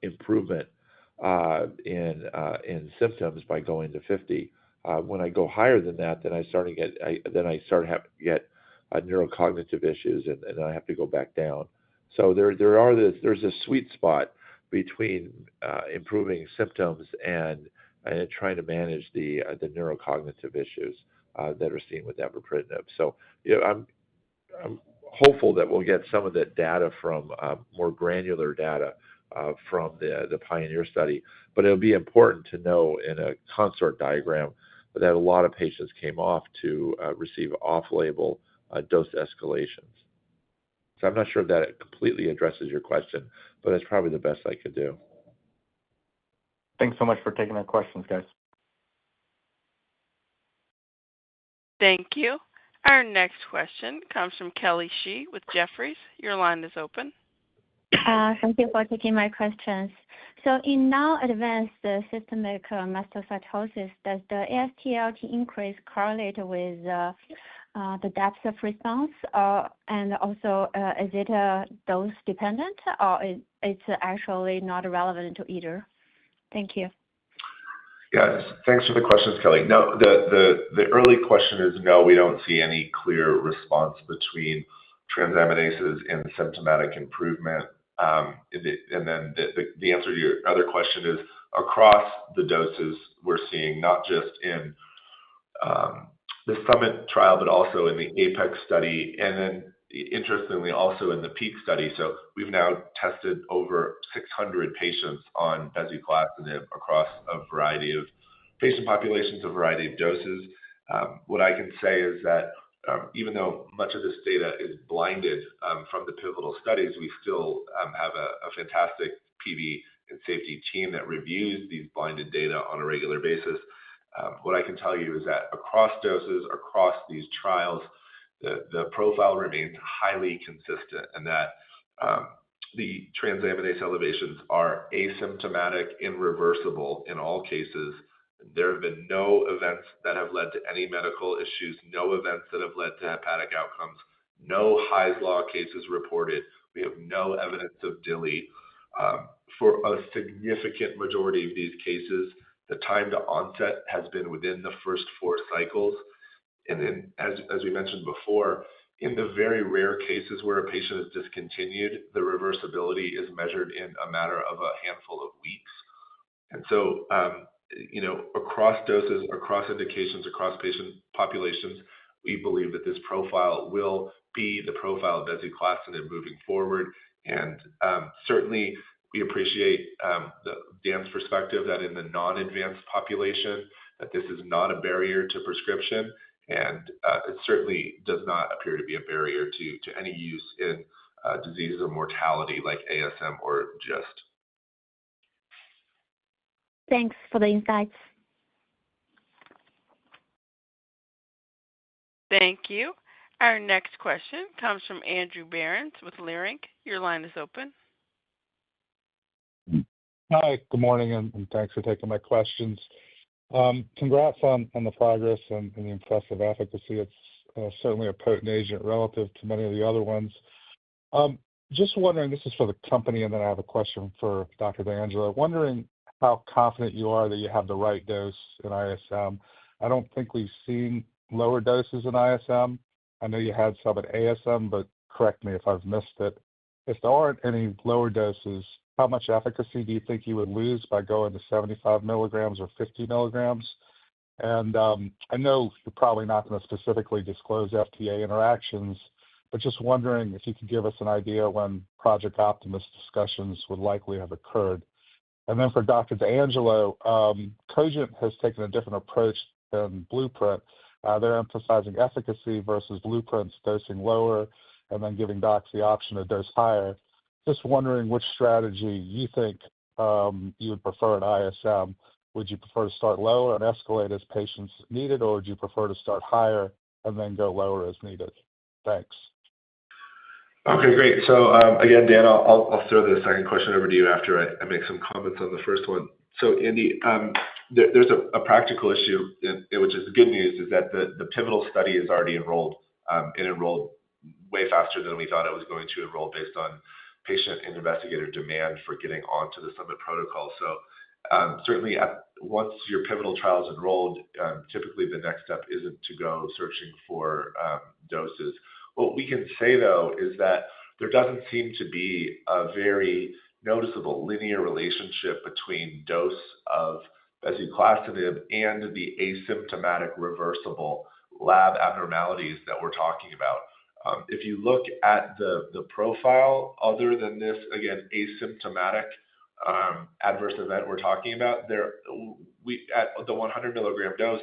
improvement in symptoms by going to 50. When I go higher than that, then I start to get neurocognitive issues, and then I have to go back down. There's a sweet spot between improving symptoms and trying to manage the neurocognitive issues that are seen with avapritinib. I'm hopeful that we'll get some of that data from more granular data from the PIONEER study. But it'll be important to know in a CONSORT diagram that a lot of patients came off to receive off-label dose escalations. So I'm not sure if that completely addresses your question, but it's probably the best I could do. Thanks so much for taking our questions, guys. Thank you. Our next question comes from Kelly Shi with Jefferies. Your line is open. Thank you for taking my questions. So in non-advanced systemic mastocytosis, does the AST/ALT increase correlate with the depth of response? And also, is it dose-dependent, or it's actually not relevant either? Thank you. Yeah. Thanks for the questions, Kelly. No, the early question is no, we don't see any clear response between transaminases and symptomatic improvement. And then the answer to your other question is across the doses we're seeing, not just in the SUMMIT trial, but also in the APEX study. Then, interestingly, also in the PEAK study. We've now tested over 600 patients on bezuclastinib across a variety of patient populations, a variety of doses. What I can say is that even though much of this data is blinded from the pivotal studies, we still have a fantastic PK and safety team that reviews these blinded data on a regular basis. What I can tell you is that across doses, across these trials, the profile remains highly consistent and that the transaminase elevations are asymptomatic and reversible in all cases. There have been no events that have led to any medical issues, no events that have led to hepatic outcomes, no Hy's Law cases reported. We have no evidence of DILI. For a significant majority of these cases, the time to onset has been within the first four cycles. And then, as we mentioned before, in the very rare cases where a patient is discontinued, the reversibility is measured in a matter of a handful of weeks. And so across doses, across indications, across patient populations, we believe that this profile will be the profile of bezuclastinib moving forward. And certainly, we appreciate Dan's perspective that in the non-advanced population, that this is not a barrier to prescription. And it certainly does not appear to be a barrier to any use in diseases of mortality like ASM or GIST. Thanks for the insights. Thank you. Our next question comes from Andrew Berens with Leerink. Your line is open. Hi. Good morning, and thanks for taking my questions. Congrats on the progress and the impressive efficacy. It's certainly a potent agent relative to many of the other ones. Just wondering, this is for the company, and then I have a question for Dr. DeAngelo. Wondering how confident you are that you have the right dose in ISM. I don't think we've seen lower doses in ISM. I know you had some at ASM, but correct me if I've missed it. If there aren't any lower doses, how much efficacy do you think you would lose by going to 75 mg or 50 mg? And I know you're probably not going to specifically disclose FDA interactions, but just wondering if you could give us an idea when Project Optimus discussions would likely have occurred. And then for Dr. DeAngelo, Cogent has taken a different approach than Blueprint. They're emphasizing efficacy versus Blueprint's dosing lower and then giving docs the option to dose higher. Just wondering which strategy you think you would prefer at ISM. Would you prefer to start lower and escalate as patients needed, or would you prefer to start higher and then go lower as needed? Thanks. Okay. Great. Again, Dan, I'll throw the second question over to you after I make some comments on the first one. Andy, there's a practical issue, which is the good news, is that the pivotal study is already enrolled and enrolled way faster than we thought it was going to enroll based on patient and investigator demand for getting onto the SUMMIT protocol. Certainly, once your pivotal trial is enrolled, typically the next step isn't to go searching for doses. What we can say, though, is that there doesn't seem to be a very noticeable linear relationship between dose of bezuclastinib and the asymptomatic reversible lab abnormalities that we're talking about. If you look at the profile, other than this, again, asymptomatic adverse event we're talking about, at the 100-mg dose,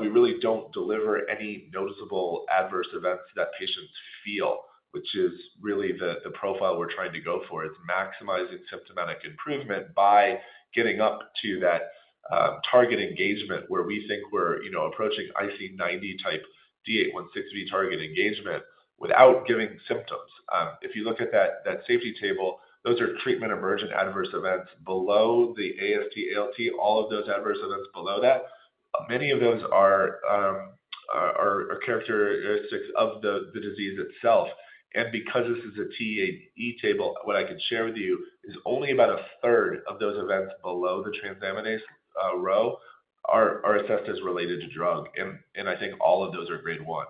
we really don't deliver any noticeable adverse events that patients feel, which is really the profile we're trying to go for. It's maximizing symptomatic improvement by getting up to that target engagement where we think we're approaching IC90 type D816V target engagement without giving symptoms. If you look at that safety table, those are treatment emergent adverse events below the AST/ALT. All of those adverse events below that, many of those are characteristics of the disease itself. And because this is a TEAE table, what I can share with you is only about a third of those events below the transaminase row are assessed as related to drug. And I think all of those are grade one.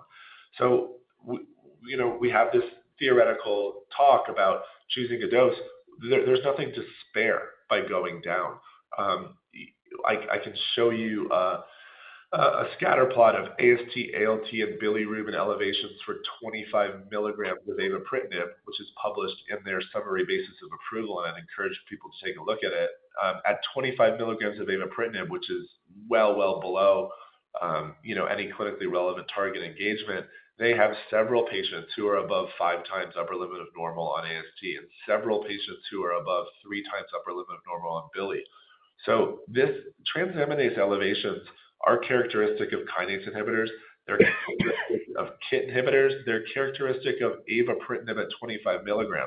So we have this theoretical talk about choosing a dose. There's nothing to spare by going down. I can show you a scatterplot of AST/ALT and bilirubin elevations for 25 mg of avapritinib, which is published in their summary basis of approval, and I'd encourage people to take a look at it. At 25 mg of avapritinib, which is well, well below any clinically relevant target engagement, they have several patients who are above five times upper limit of normal on AST and several patients who are above three times upper limit of normal on bili, so these transaminase elevations are characteristic of kinase inhibitors. They're characteristic of KIT inhibitors. They're characteristic of avapritinib at 25 mg,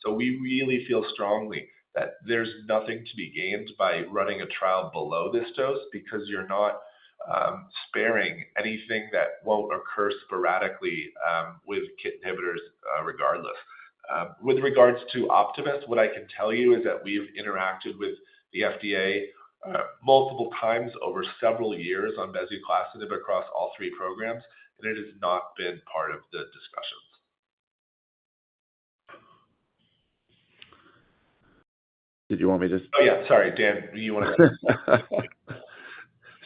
so we really feel strongly that there's nothing to be gained by running a trial below this dose because you're not sparing anything that won't occur sporadically with KIT inhibitors regardless. With regards to Optimus, what I can tell you is that we've interacted with the FDA multiple times over several years on bezuclastinib across all three programs, and it has not been part of the discussions. Did you want me to? Oh, yeah. Sorry, Dan, you want to?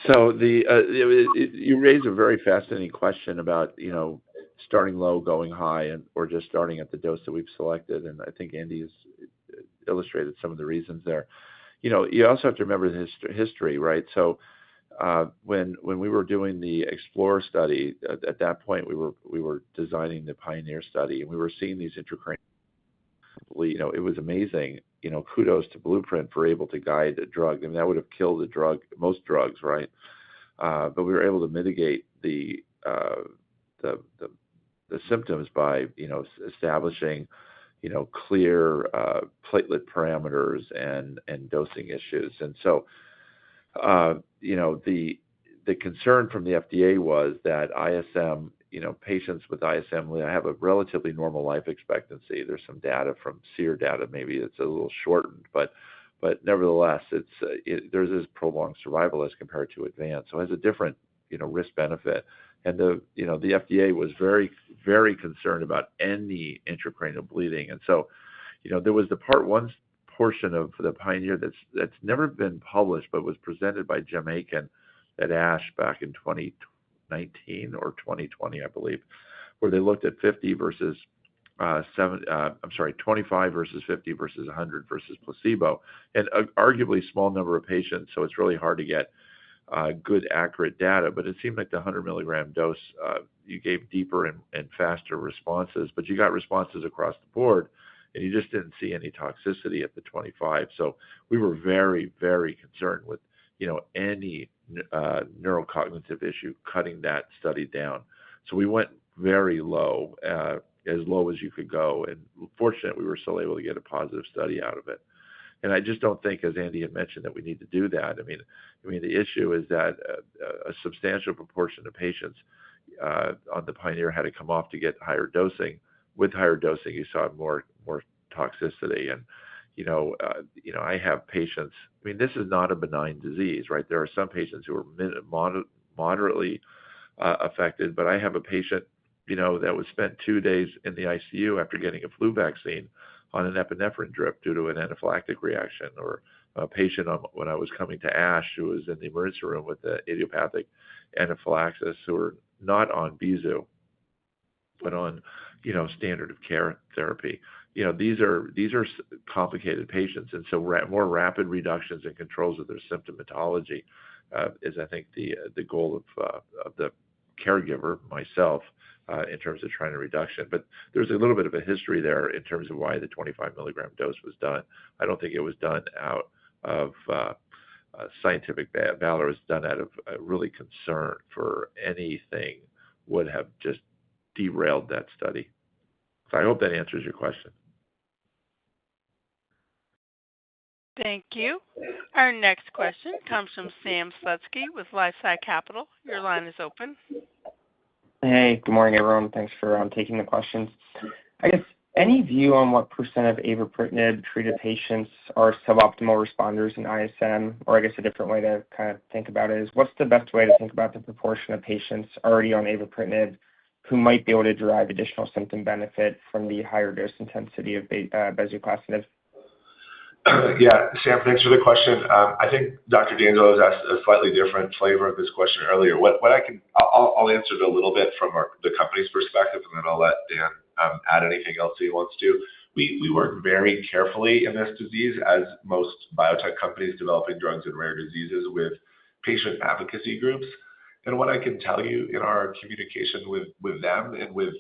So you raised a very fascinating question about starting low, going high, or just starting at the dose that we've selected. And I think Andy has illustrated some of the reasons there. You also have to remember the history, right? So when we were doing the EXPLORER study, at that point, we were designing the PIONEER study. And we were seeing these intracranial. It was amazing. Kudos to Blueprint for able to guide a drug. I mean, that would have killed most drugs, right? But we were able to mitigate the symptoms by establishing clear platelet parameters and dosing issues. And so the concern from the FDA was that patients with ISM have a relatively normal life expectancy. There's some data from SEER data. Maybe it's a little shortened, but nevertheless, there's this prolonged survival as compared to advanced. So it has a different risk-benefit. And the FDA was very, very concerned about any intracranial bleeding. And so there was the part one portion of the PIONEER that's never been published but was presented by Cem Akin at ASH back in 2019 or 2020, I believe, where they looked at 50 versus I'm sorry, 25 versus 50 versus 100 versus placebo. And arguably a small number of patients, so it's really hard to get good, accurate data. But it seemed like the 100-mg dose, you gave deeper and faster responses, but you got responses across the board, and you just didn't see any toxicity at the 25. We were very, very concerned with any neurocognitive issue cutting that study down. We went very low, as low as you could go. Fortunately, we were still able to get a positive study out of it. I just don't think, as Andy had mentioned, that we need to do that. I mean, the issue is that a substantial proportion of patients on the PIONEER had to come off to get higher dosing. With higher dosing, you saw more toxicity. I have patients. I mean, this is not a benign disease, right? There are some patients who are moderately affected, but I have a patient who spent two days in the ICU after getting a flu vaccine on an Epinephrine drip due to an anaphylactic reaction. Or a patient when I was coming to ASH who was in the emergency room with idiopathic anaphylaxis who were not on bezuclastinib, but on standard of care therapy. These are complicated patients. And so more rapid reductions and controls of their symptomatology is, I think, the goal of the caregiver, myself, in terms of trying a reduction. But there's a little bit of a history there in terms of why the 25-mg dose was done. I don't think it was done out of scientific valor. It was done out of real concern for anything would have just derailed that study. So I hope that answers your question. Thank you. Our next question comes from Sam Slutsky with LifeSci Capital. Your line is open. Hey. Good morning, everyone. Thanks for taking the questions. I guess any view on what % of avapritinib-treated patients are suboptimal responders in ISM, or I guess a different way to kind of think about it is, what's the best way to think about the proportion of patients already on avapritinib who might be able to derive additional symptom benefit from the higher dose intensity of bezuclastinib? Yeah. Sam, thanks for the question. I think Dr. DeAngelo has asked a slightly different flavor of this question earlier. I'll answer it a little bit from the company's perspective, and then I'll let Dan add anything else he wants to. We work very carefully in this disease, as most biotech companies developing drugs in rare diseases, with patient advocacy groups. And what I can tell you in our communication with them and with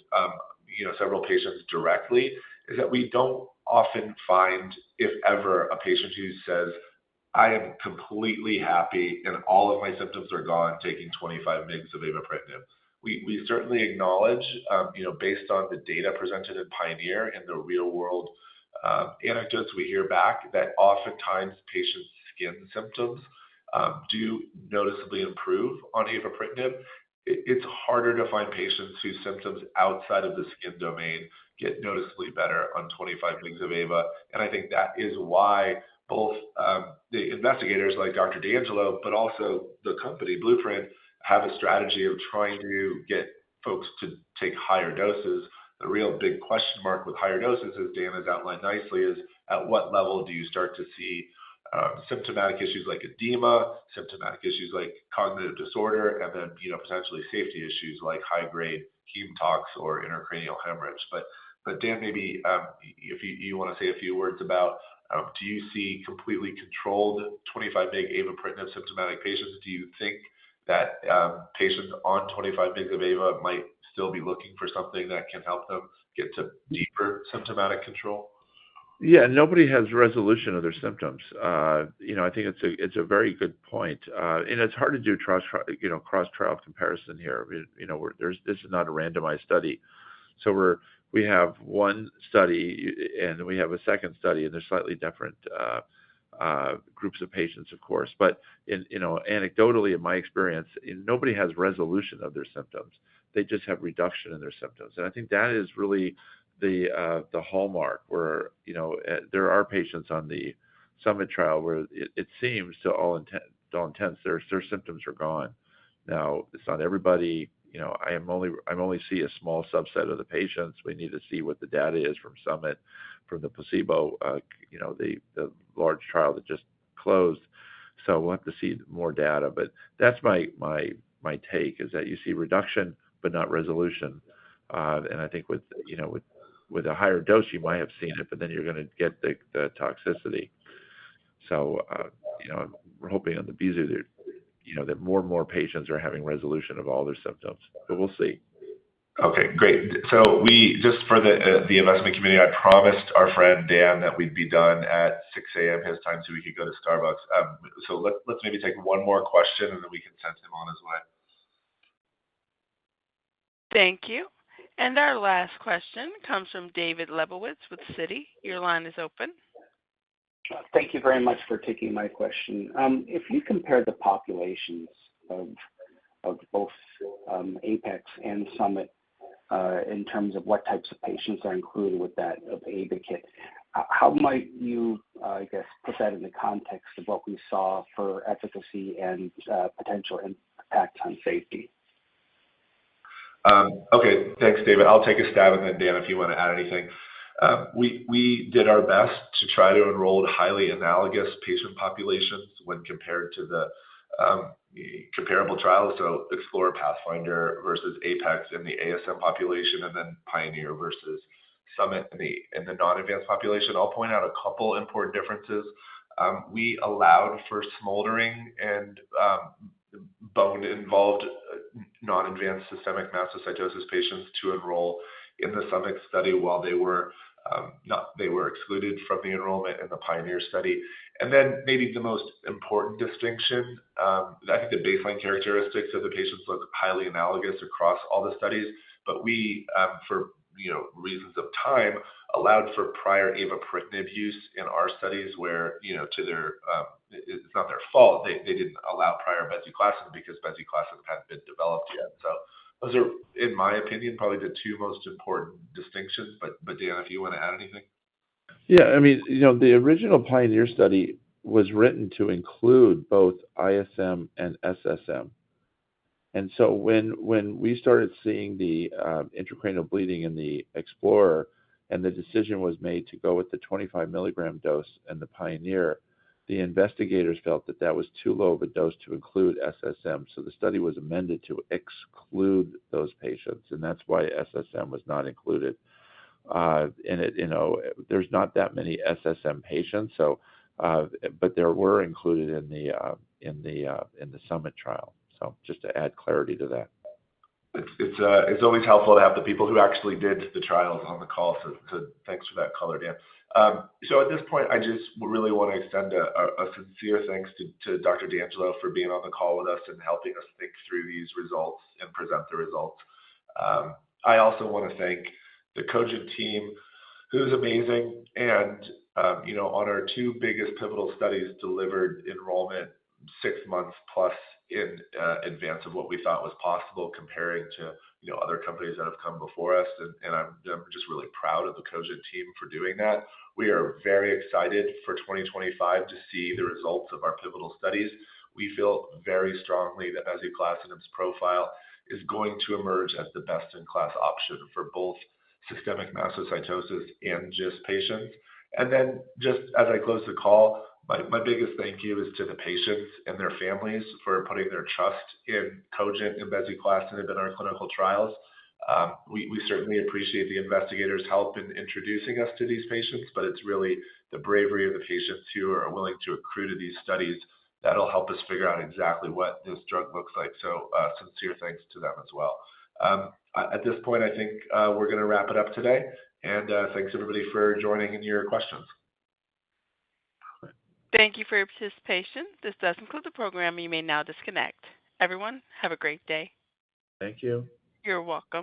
several patients directly is that we don't often find, if ever, a patient who says, "I am completely happy and all of my symptoms are gone taking 25 mg of avapritinib." We certainly acknowledge, based on the data presented in PIONEER and the real-world anecdotes we hear back, that oftentimes patients' skin symptoms do noticeably improve on avapritinib. It's harder to find patients whose symptoms outside of the skin domain get noticeably better on 25 mg of Ava. And I think that is why both the investigators, like Dr. DeAngelo, but also the company, Blueprint, have a strategy of trying to get folks to take higher doses. The real big question mark with higher doses, as Dan has outlined nicely, is at what level do you start to see symptomatic issues like edema, symptomatic issues like cognitive disorder, and then potentially safety issues like high-grade heme tox or intracranial hemorrhage. But Dan, maybe if you want to say a few words about, do you see completely controlled 25 mg avapritinib symptomatic patients? Do you think that patients on 25 mg of avapritinib might still be looking for something that can help them get to deeper symptomatic control? Yeah. Nobody has resolution of their symptoms. I think it's a very good point. And it's hard to do cross-trial comparison here. This is not a randomized study. So we have one study, and we have a second study, and they're slightly different groups of patients, of course. But anecdotally, in my experience, nobody has resolution of their symptoms. They just have reduction in their symptoms, and I think that is really the hallmark where there are patients on the Summit trial where it seems to all intents, their symptoms are gone. Now, it's not everybody. I only see a small subset of the patients. We need to see what the data is from Summit, from the placebo, the large trial that just closed, so we'll have to see more data, but that's my take, is that you see reduction but not resolution, and I think with a higher dose, you might have seen it, but then you're going to get the toxicity, so we're hoping on the bezuclastinib that more and more patients are having resolution of all their symptoms, but we'll see. Okay. Great. So just for the investment community, I promised our friend Dan that we'd be done at 6:00 A.M. his time so we could go to Starbucks. So let's maybe take one more question, and then we can send him on his way. Thank you. And our last question comes from David Lebowitz with Citi. Your line is open. Thank you very much for taking my question. If you compare the populations of both APEX and SUMMIT in terms of what types of patients are included with that of Ayvakit, how might you, I guess, put that in the context of what we saw for efficacy and potential impacts on safety? Okay. Thanks, David. I'll take a stab at that, Dan, if you want to add anything. We did our best to try to enroll highly analogous patient populations when compared to the comparable trials. So EXPLORER, PATHFINDER versus APEX in the ASM population, and then PIONEER versus SUMMIT in the non-advanced population. I'll point out a couple of important differences. We allowed for smoldering and bone-involved non-advanced systemic mastocytosis patients to enroll in the SUMMIT study while they were excluded from the enrollment in the PIONEER study. And then maybe the most important distinction, I think the baseline characteristics of the patients look highly analogous across all the studies. But we, for reasons of time, allowed for prior avapritinib use in our studies where it's not their fault. They didn't allow prior bezuclastinib because bezuclastinib hadn't been developed yet. So those are, in my opinion, probably the two most important distinctions. But Dan, if you want to add anything. Yeah. I mean, the original PIONEER study was written to include both ISM and SSM. And so when we started seeing the intracranial bleeding in the EXPLORER and the decision was made to go with the 25-mg dose and the PIONEER, the investigators felt that that was too low of a dose to include SSM. So the study was amended to exclude those patients. And that's why SSM was not included. And there's not that many SSM patients, but they were included in the SUMMIT trial. So just to add clarity to that. It's always helpful to have the people who actually did the trials on the call. So thanks for that color, Dan. So at this point, I just really want to extend a sincere thanks to Dr. DeAngelo for being on the call with us and helping us think through these results and present the results. I also want to thank the Cogent team, who's amazing. And on our two biggest pivotal studies delivered enrollment six months plus in advance of what we thought was possible comparing to other companies that have come before us. And I'm just really proud of the Cogent team for doing that. We are very excited for 2025 to see the results of our pivotal studies. We feel very strongly that bezuclastinib's profile is going to emerge as the best-in-class option for both systemic mastocytosis and GIST patients. And then just as I close the call, my biggest thank you is to the patients and their families for putting their trust in Cogent and bezuclastinib in our clinical trials. We certainly appreciate the investigators' help in introducing us to these patients, but it's really the bravery of the patients who are willing to accrue to these studies that'll help us figure out exactly what this drug looks like. So sincere thanks to them as well. At this point, I think we're going to wrap it up today. And thanks, everybody, for joining and your questions. Thank you for your participation. This does conclude the program. You may now disconnect. Everyone, have a great day. Thank you. You're welcome.